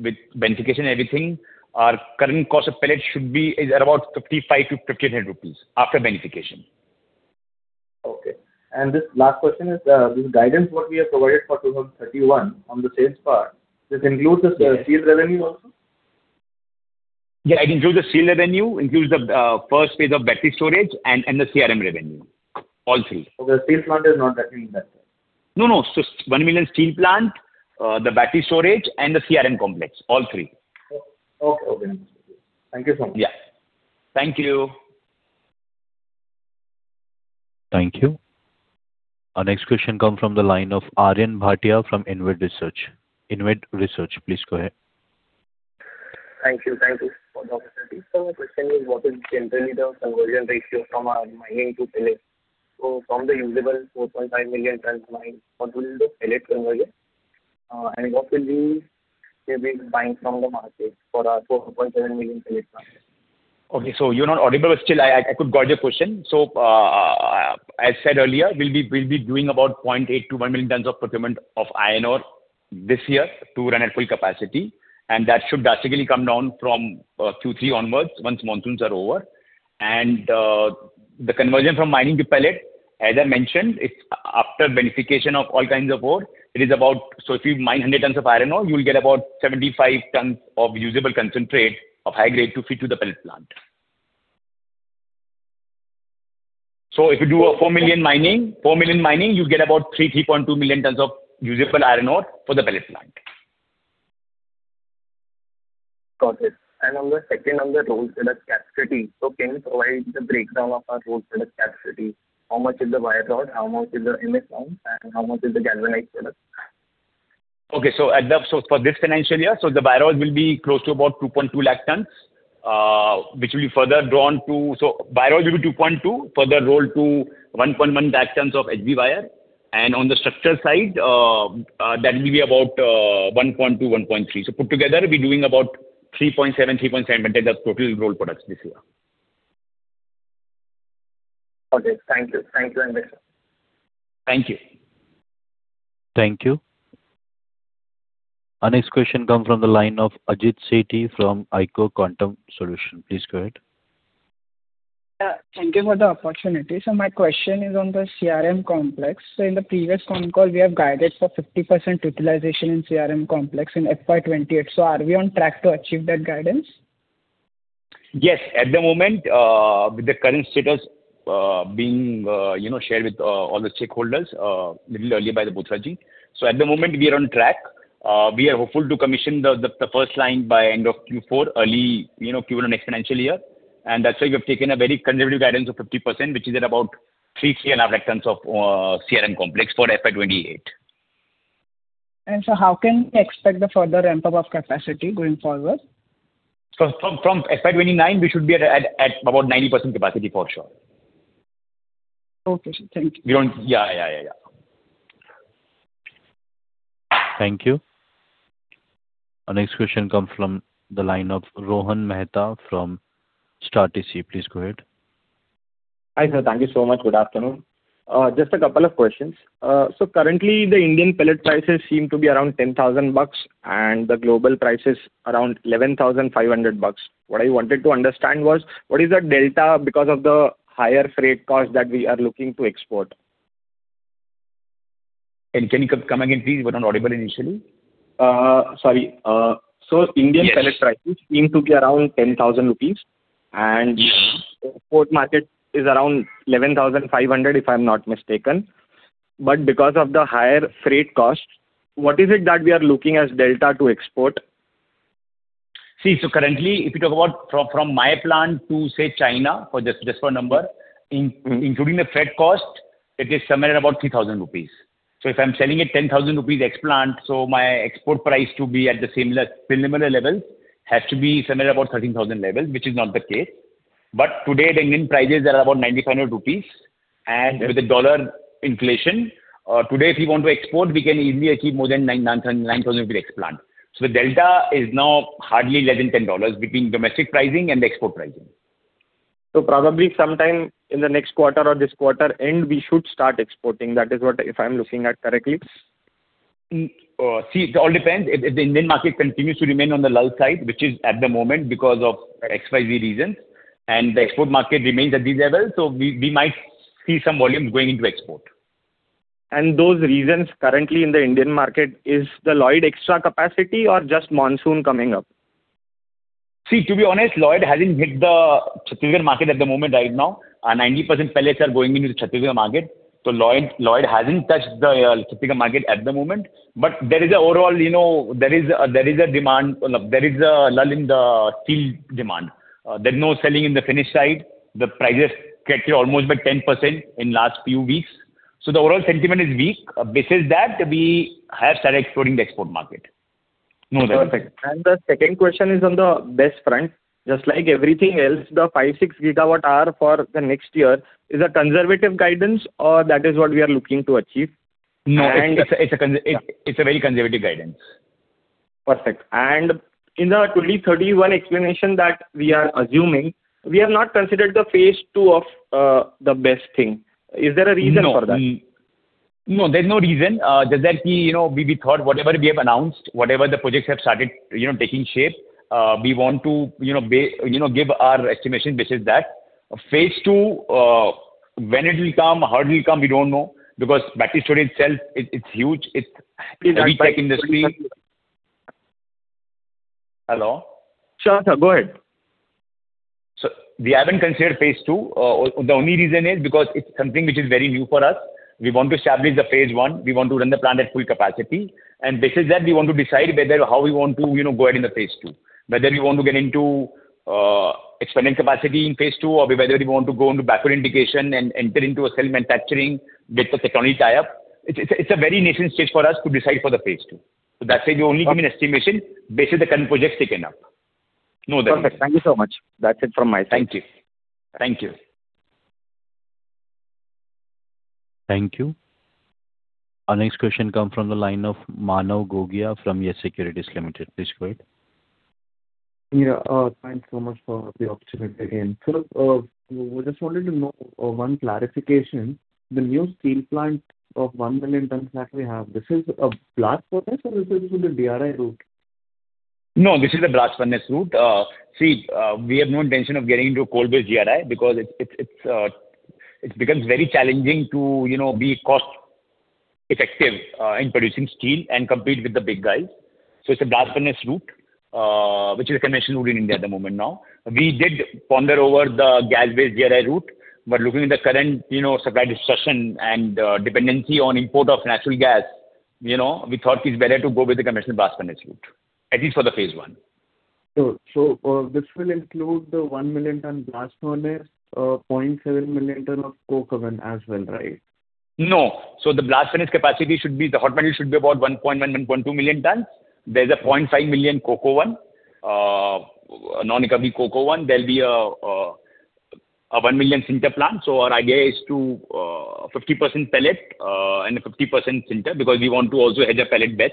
with beneficiation, everything, our current cost of pellets is at about 5,500-5,800 rupees after beneficiation. Okay. This last question is, this guidance what we have provided for 2031 on the sales part, this includes the steel revenue also? Yeah, it includes the steel revenue, includes the first phase of battery storage and the CRM revenue. All three. Okay. Steel plant is not reckoning that. No, no. 1 million steel plant, the battery storage and the CRM complex. All three. Okay. Okay. Thank you so much. Yeah. Thank you. Thank you. Our next question come from the line of Aryan Bhatia from InvIT Research. InvIT Research, please go ahead. Thank you. Thank you for the opportunity. My question is, what is generally the conversion ratio from our mining to pellet? From the usable 4.5 million tons mine, what will be the pellet conversion? What will be they've been buying from the market for our 4.7 million pellet plant. Okay. You're not audible. Still I could got your question. as said earlier, we'll be doing about 0.8million-1 million tons of procurement of iron ore this year to run at full capacity. That should basically come down from Q3 onwards once monsoons are over. The conversion from mining to pellet, as I mentioned, it's after beneficiation of all kinds of ore. if you mine 100 tons of iron ore, you'll get about 75 tons of usable concentrate of high grade to feed to the pellet plant. if you do a 4 million mining, you get about 3millon-3.2 million tons of usable iron ore for the pellet plant. Got it. On the second, on the rolled products capacity. Can you provide the breakdown of our rolled products capacity? How much is the wire rod? How much is the MS rounds and how much is the galvanized products? Okay. For this financial year, the wire rod will be close to about 2.2 lakh tons, further rolled to 1.1 lakh tons of HB wire. On the structure side, that will be about 1.2 lakh, 1.3 lakh tons. Put together, we'll be doing about 3.7 million tons of total rolled products this year. Okay. Thank you. Thank you very much. Thank you. Thank you. Our next question comes from the line of Ajit Sethi from Eiko Quantum Solutions. Please go ahead. Yeah. Thank you for the opportunity. My question is on the CRM complex. In the previous con call we have guided for 50% utilization in CRM complex in FY 2028. Are we on track to achieve that guidance? Yes. At the moment, with the current status, being, you know, shared with, all the stakeholders, little earlier by Bothra Sanjay. At the moment we are on track. We are hopeful to commission the first line by end of Q4, early, you know, Q1 next financial year. That's why we have taken a very conservative guidance of 50%, which is at about 3.5 lakh tons of CRM complex for FY 2028. How can we expect the further ramp up of capacity going forward? From FY 2029 we should be at about 90% capacity for sure. Okay. Thank you. Yeah. Thank you. Our next question come from the line of Rohan Mehta from Star TC. Please go ahead. Hi, sir. Thank you so much. Good afternoon. Just a couple of questions. Currently the Indian pellet prices seem to be around INR 10,000 and the global price is around INR 11,500. What I wanted to understand was, what is the delta because of the higher freight cost that we are looking to export? Can you come again, please? You were not audible initially. Sorry. Indian pellet prices seem to be around 10,000 rupees and export market is around 11,500, if I'm not mistaken. Because of the higher freight cost, what is it that we are looking as delta to export? See, currently if you talk about from my plant to, say, China for just a number, including the freight cost, it is somewhere about 3,000 rupees. If I'm selling at 10,000 rupees ex-plant, my export price to be at the similar level has to be somewhere about 13,000 level, which is not the case. Today the Indian prices are about 9,500 rupees, and with the dollar inflation, today if we want to export, we can easily achieve more than 9,000 plant. The delta is now hardly less than $10 between domestic pricing and export pricing. Probably sometime in the next quarter or this quarter end, we should start exporting. That is what, if I'm looking at correctly. See, it all depends. If the Indian market continues to remain on the lull side, which is at the moment because of XYZ reasons, and the export market remains at this level, we might see some volumes going into export. Those reasons currently in the Indian market is the Lloyd extra capacity or just monsoon coming up? See, to be honest, Lloyd hasn't hit the Chhattisgarh market at the moment right now. 90% pellets are going into Chhattisgarh market. Lloyd hasn't touched the Chhattisgarh market at the moment. There is a overall, you know, there is a lull in the steel demand. There's no selling in the finished side. The prices corrected almost by 10% in last few weeks. The overall sentiment is weak. Based on that, we have started exploring the export market. No other thing. Perfect. The second question is on the BESS front. Just like everything else, the 5 GWh, 6 GWh for the next year is a conservative guidance or that is what we are looking to achieve? No, it's a very conservative guidance. Perfect. In the 2031 explanation that we are assuming, we have not considered the phase 2 of the BESS thing. Is there a reason for that? No. No, there's no reason. Just that, you know, we thought whatever we have announced, whatever the projects have started, you know, taking shape, we want to, you know, give our estimation based on that. Phase II, when it will come, how it will come, we don't know because battery storage itself it's huge. It's a new-tech industry. Please. Hello? Sure, sir. Go ahead. We haven't considered phase II. The only reason is because it's something which is very new for us. We want to establish the phase 1. We want to run the plant at full capacity. Based on that we want to decide whether how we want to, you know, go ahead in the phase II. Whether we want to get into expanding capacity in phase II, or whether we want to go into battery integration and enter into a cell manufacturing with a technical tie-up. It's a very nascent stage for us to decide for the phase II. That's why we only give an estimation based on the current projects taken up. No other thing. Perfect. Thank you so much. That's it from my side. Thank you. Thank you. Thank you. Our next question come from the line of Manav Gogia from YES SECURITIES Limited. Please go ahead. Yeah. Thanks so much for the opportunity again. Sir, we just wanted to know one clarification. The new steel plant of 1 million tons that we have, this is a blast furnace or this is through the DRI route? No, this is a blast furnace route. See, we have no intention of getting into a coal-based DRI because it becomes very challenging to, you know, be cost effective in producing steel and compete with the big guys. It's a blast furnace route, which is a conventional route in India at the moment now. We did ponder over the gas-based DRI route, but looking at the current, you know, supply discussion and dependency on import of natural gas, you know, we thought it's better to go with the conventional blast furnace route, at least for the phase 1. This will include the 1 million ton blast furnace, 0.7 million ton of coke oven as well, right? No. The hot metal should be about 1.1.2 million tons. There's a 0.5 million coke oven, non-recovery coke oven. There'll be a 1 million sinter plant. Our idea is to 50% pellet and 50% sinter because we want to also hedge a pellet bet.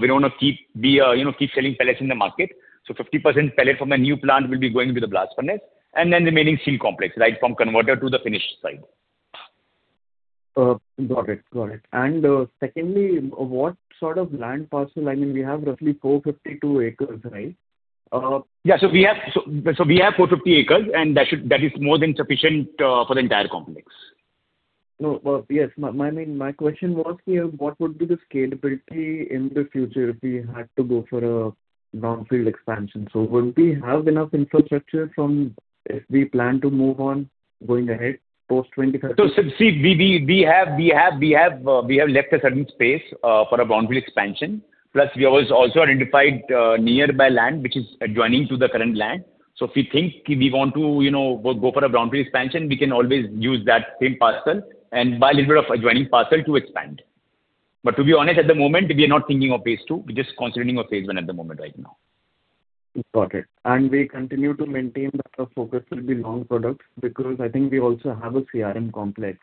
We don't wanna keep, you know, keep selling pellets in the market. 50% pellet from the new plant will be going into the blast furnace and remaining steel complex, right from converter to the finished side. Got it. Secondly, what sort of land parcel? I mean, we have roughly 452 acres, right? Yeah. We have 450 acres, that is more than sufficient for the entire complex. No. Well, yes. My question was here, what would be the scalability in the future if we had to go for a brownfield expansion? Would we have enough infrastructure from if we plan to move on going ahead post 2030? See, we have left a certain space for a brownfield expansion. We have also identified nearby land which is adjoining to the current land. If we think we want to, you know, go for a brownfield expansion, we can always use that same parcel and buy a little bit of adjoining parcel to expand. To be honest, at the moment we are not thinking of phase II. We are just concentrating on phase I at the moment right now. Got it. We continue to maintain that our focus will be long products because I think we also have a CRM complex.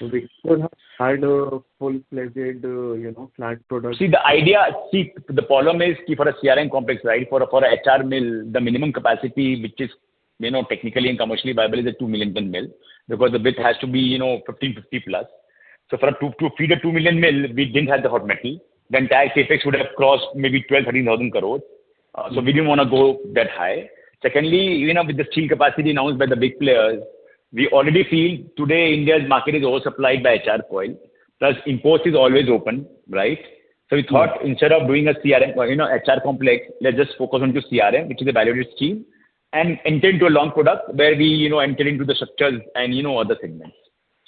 We still have had a full-fledged, you know, flat product. The problem is, for a CRM complex, right? For a HR mill, the minimum capacity, which is, you know, technically and commercially viable is a 2 million ton mill because the width has to be, you know, 15+. For a 2 feed a 2 million mill, we didn't have the hot metal. The entire CapEx would have crossed maybe 1,200 crores-1,300 crores. We didn't wanna go that high. Secondly, even with the steel capacity announced by the big players, we already feel today India's market is oversupplied by HR coil plus import is always open, right? Yes. We thought instead of doing a CRM, you know, HR complex, let's just focus on to CRM, which is a value-added steel, and enter into a long product where we, you know, enter into the structures and, you know, other segments.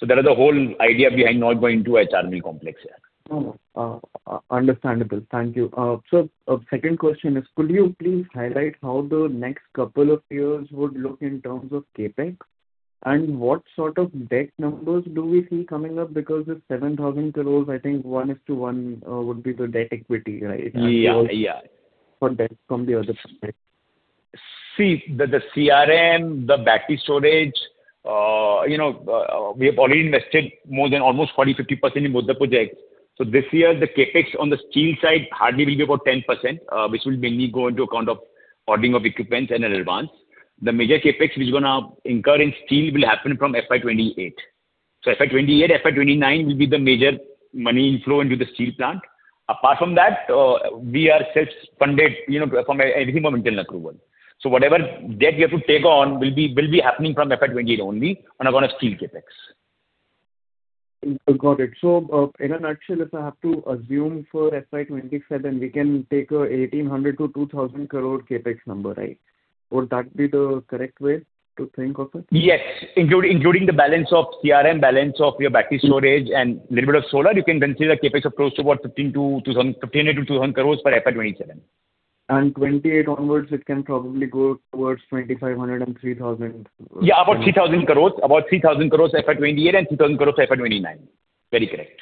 That is the whole idea behind not going to a HR mill complex here. Understandable. Thank you. Second question is could you please highlight how the next couple of years would look in terms of CapEx? What sort of debt numbers do we see coming up? With 7,000 crores, I think 1 is to 1 would be the debt equity, right? Yeah. Yeah. For debt from the other side. The CRM, the battery storage, you know, we have already invested more than almost 40%, 50% in both the projects. This year, the CapEx on the steel side hardly will be about 10%, which will mainly go into account of ordering of equipments and in advance. The major CapEx which is gonna incur in steel will happen from FY 2028. FY 2028, FY 2029 will be the major money inflow into the steel plant. Apart from that, we are self-funded, you know, from everything from internal accrual. Whatever debt we have to take on will be happening from FY 2028 only on account of steel CapEx. Got it. In a nutshell, if I have to assume for FY 2027, we can take 1,800 crore-2,000 crore CapEx number, right? Would that be the correct way to think of it? Yes. Including the balance of CRM, balance of your battery storage and little bit of solar, you can consider the CapEx of close to about 1,500 crores-2,000 crores for FY 2027. 2028 onwards, it can probably go towards 2,500 and 3,000. About 3,000 crores. About 3,000 crores FY 2028 and 3,000 crores FY 2029. Very correct.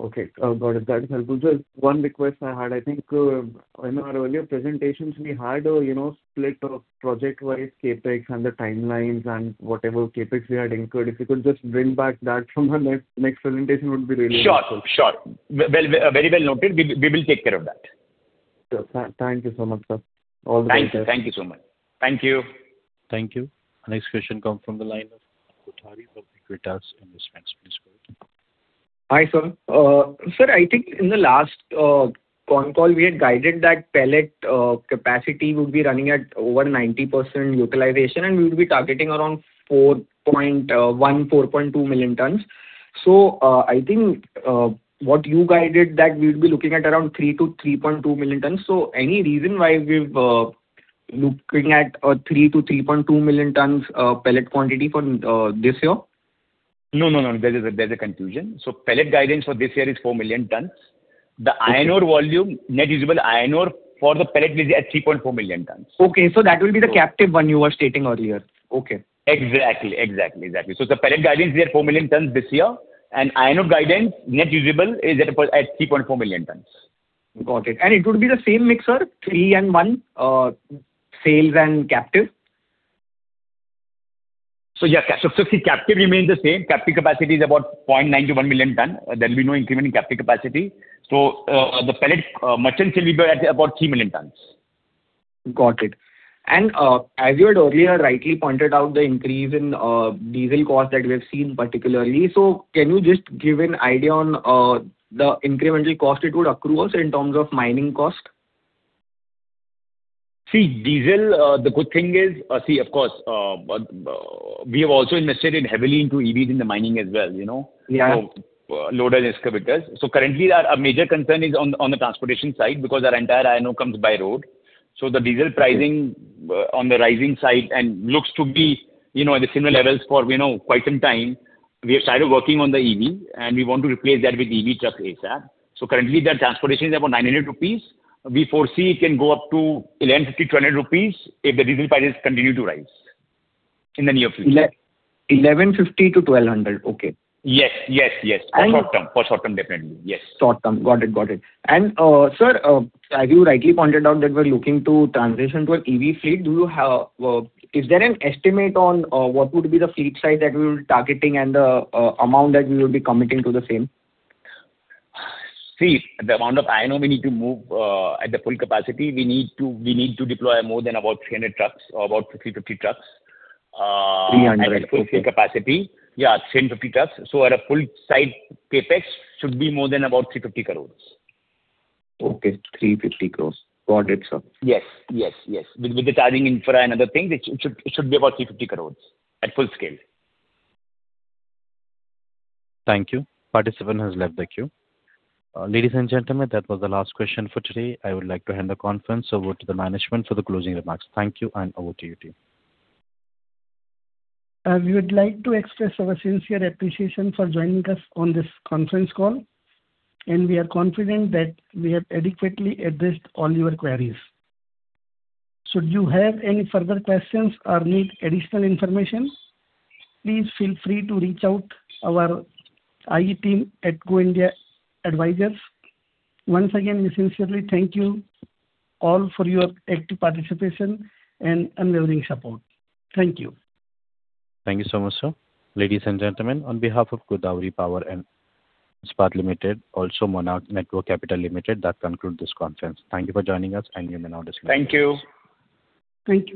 Okay. Got it. That is helpful. Just one request I had. I think in our earlier presentations, we had a, you know, split of project-wide CapEx and the timelines and whatever CapEx we had incurred. If you could just bring back that from our next presentation, would be really helpful. Sure. Well, very well noted. We will take care of that. Thank you so much, sir. All the best. Thank you. Thank you so much. Thank you. Thank you. Next question come from the line of Kothari from Aequitas Investments. Please go ahead. Hi, sir. Sir, I think in the last con call, we had guided that pellet capacity would be running at over 90% utilization, and we would be targeting around 4.1 million-4.2 million tons. I think what you guided that we would be looking at around 3-3.2 million tons. Any reason why we've looking at 3 million-3.2 million tons pellet quantity for this year? No, no. There's a confusion. Pellet guidance for this year is 4 million tons. The iron ore volume, net usable iron ore for the pellet will be at 3.4 million tons. Okay. That will be the captive one you were stating earlier. Okay. Exactly, exactly. The pellet guidance is at 4 million tons this year. Iron ore guidance, net usable is at 3.4 million tons. Got it. It would be the same mixer, three and one, sales and captive? Yeah. See, captive remains the same. Captive capacity is about 0.9-1 million tons. There'll be no increment in captive capacity. The pellet merchant will be about 3 million tons. Got it. As you had earlier rightly pointed out the increase in diesel cost that we've seen particularly. Can you just give an idea on the incremental cost it would accrue us in terms of mining cost? See, diesel, the good thing is, see, of course, we have also invested in heavily into EVs in the mining as well, you know. Yeah. Loaders and excavators. Currently our major concern is on the transportation side because our entire iron ore comes by road. The diesel pricing on the rising side and looks to be, you know, at the similar levels for, you know, quite some time. We have started working on the EV, and we want to replace that with EV trucks ASAP. Currently the transportation is about 900 rupees. We foresee it can go up to INR 1,INR 150, INR1,200 if the diesel prices continue to rise in the near future. 1,150-1,200. Okay. Yes, yes. And. For short term. For short term definitely, yes. Short term. Got it, got it. Sir, as you rightly pointed out that we're looking to transition to an EV fleet. Is there an estimate on what would be the fleet size that we'll be targeting and the amount that we will be committing to the same? See, the amount of iron ore we need to move, at the full capacity, we need to deploy more than about 300 trucks or about 350 trucks. 300. Okay. At the full capacity. Yeah, 350 trucks. At a full site, CapEx should be more than about 350 crores. Okay, 350 crores. Got it, sir. Yes, yes. With the charging infra and other things, it should be about 350 crores at full scale. Thank you. Participant has left the queue. Ladies and gentlemen, that was the last question for today. I would like to hand the conference over to the management for the closing remarks. Thank you, and over to you, team. We would like to express our sincere appreciation for joining us on this conference call. We are confident that we have adequately addressed all your queries. Should you have any further questions or need additional information, please feel free to reach out our IR team at Go India Advisors. Once again, we sincerely thank you all for your active participation and unwavering support. Thank you. Thank you so much, sir. Ladies and gentlemen, on behalf of Godawari Power & Ispat Limited, also Monarch Networth Capital Limited, that concludes this conference. Thank you for joining us, and you may now disconnect. Thank you. Thank you.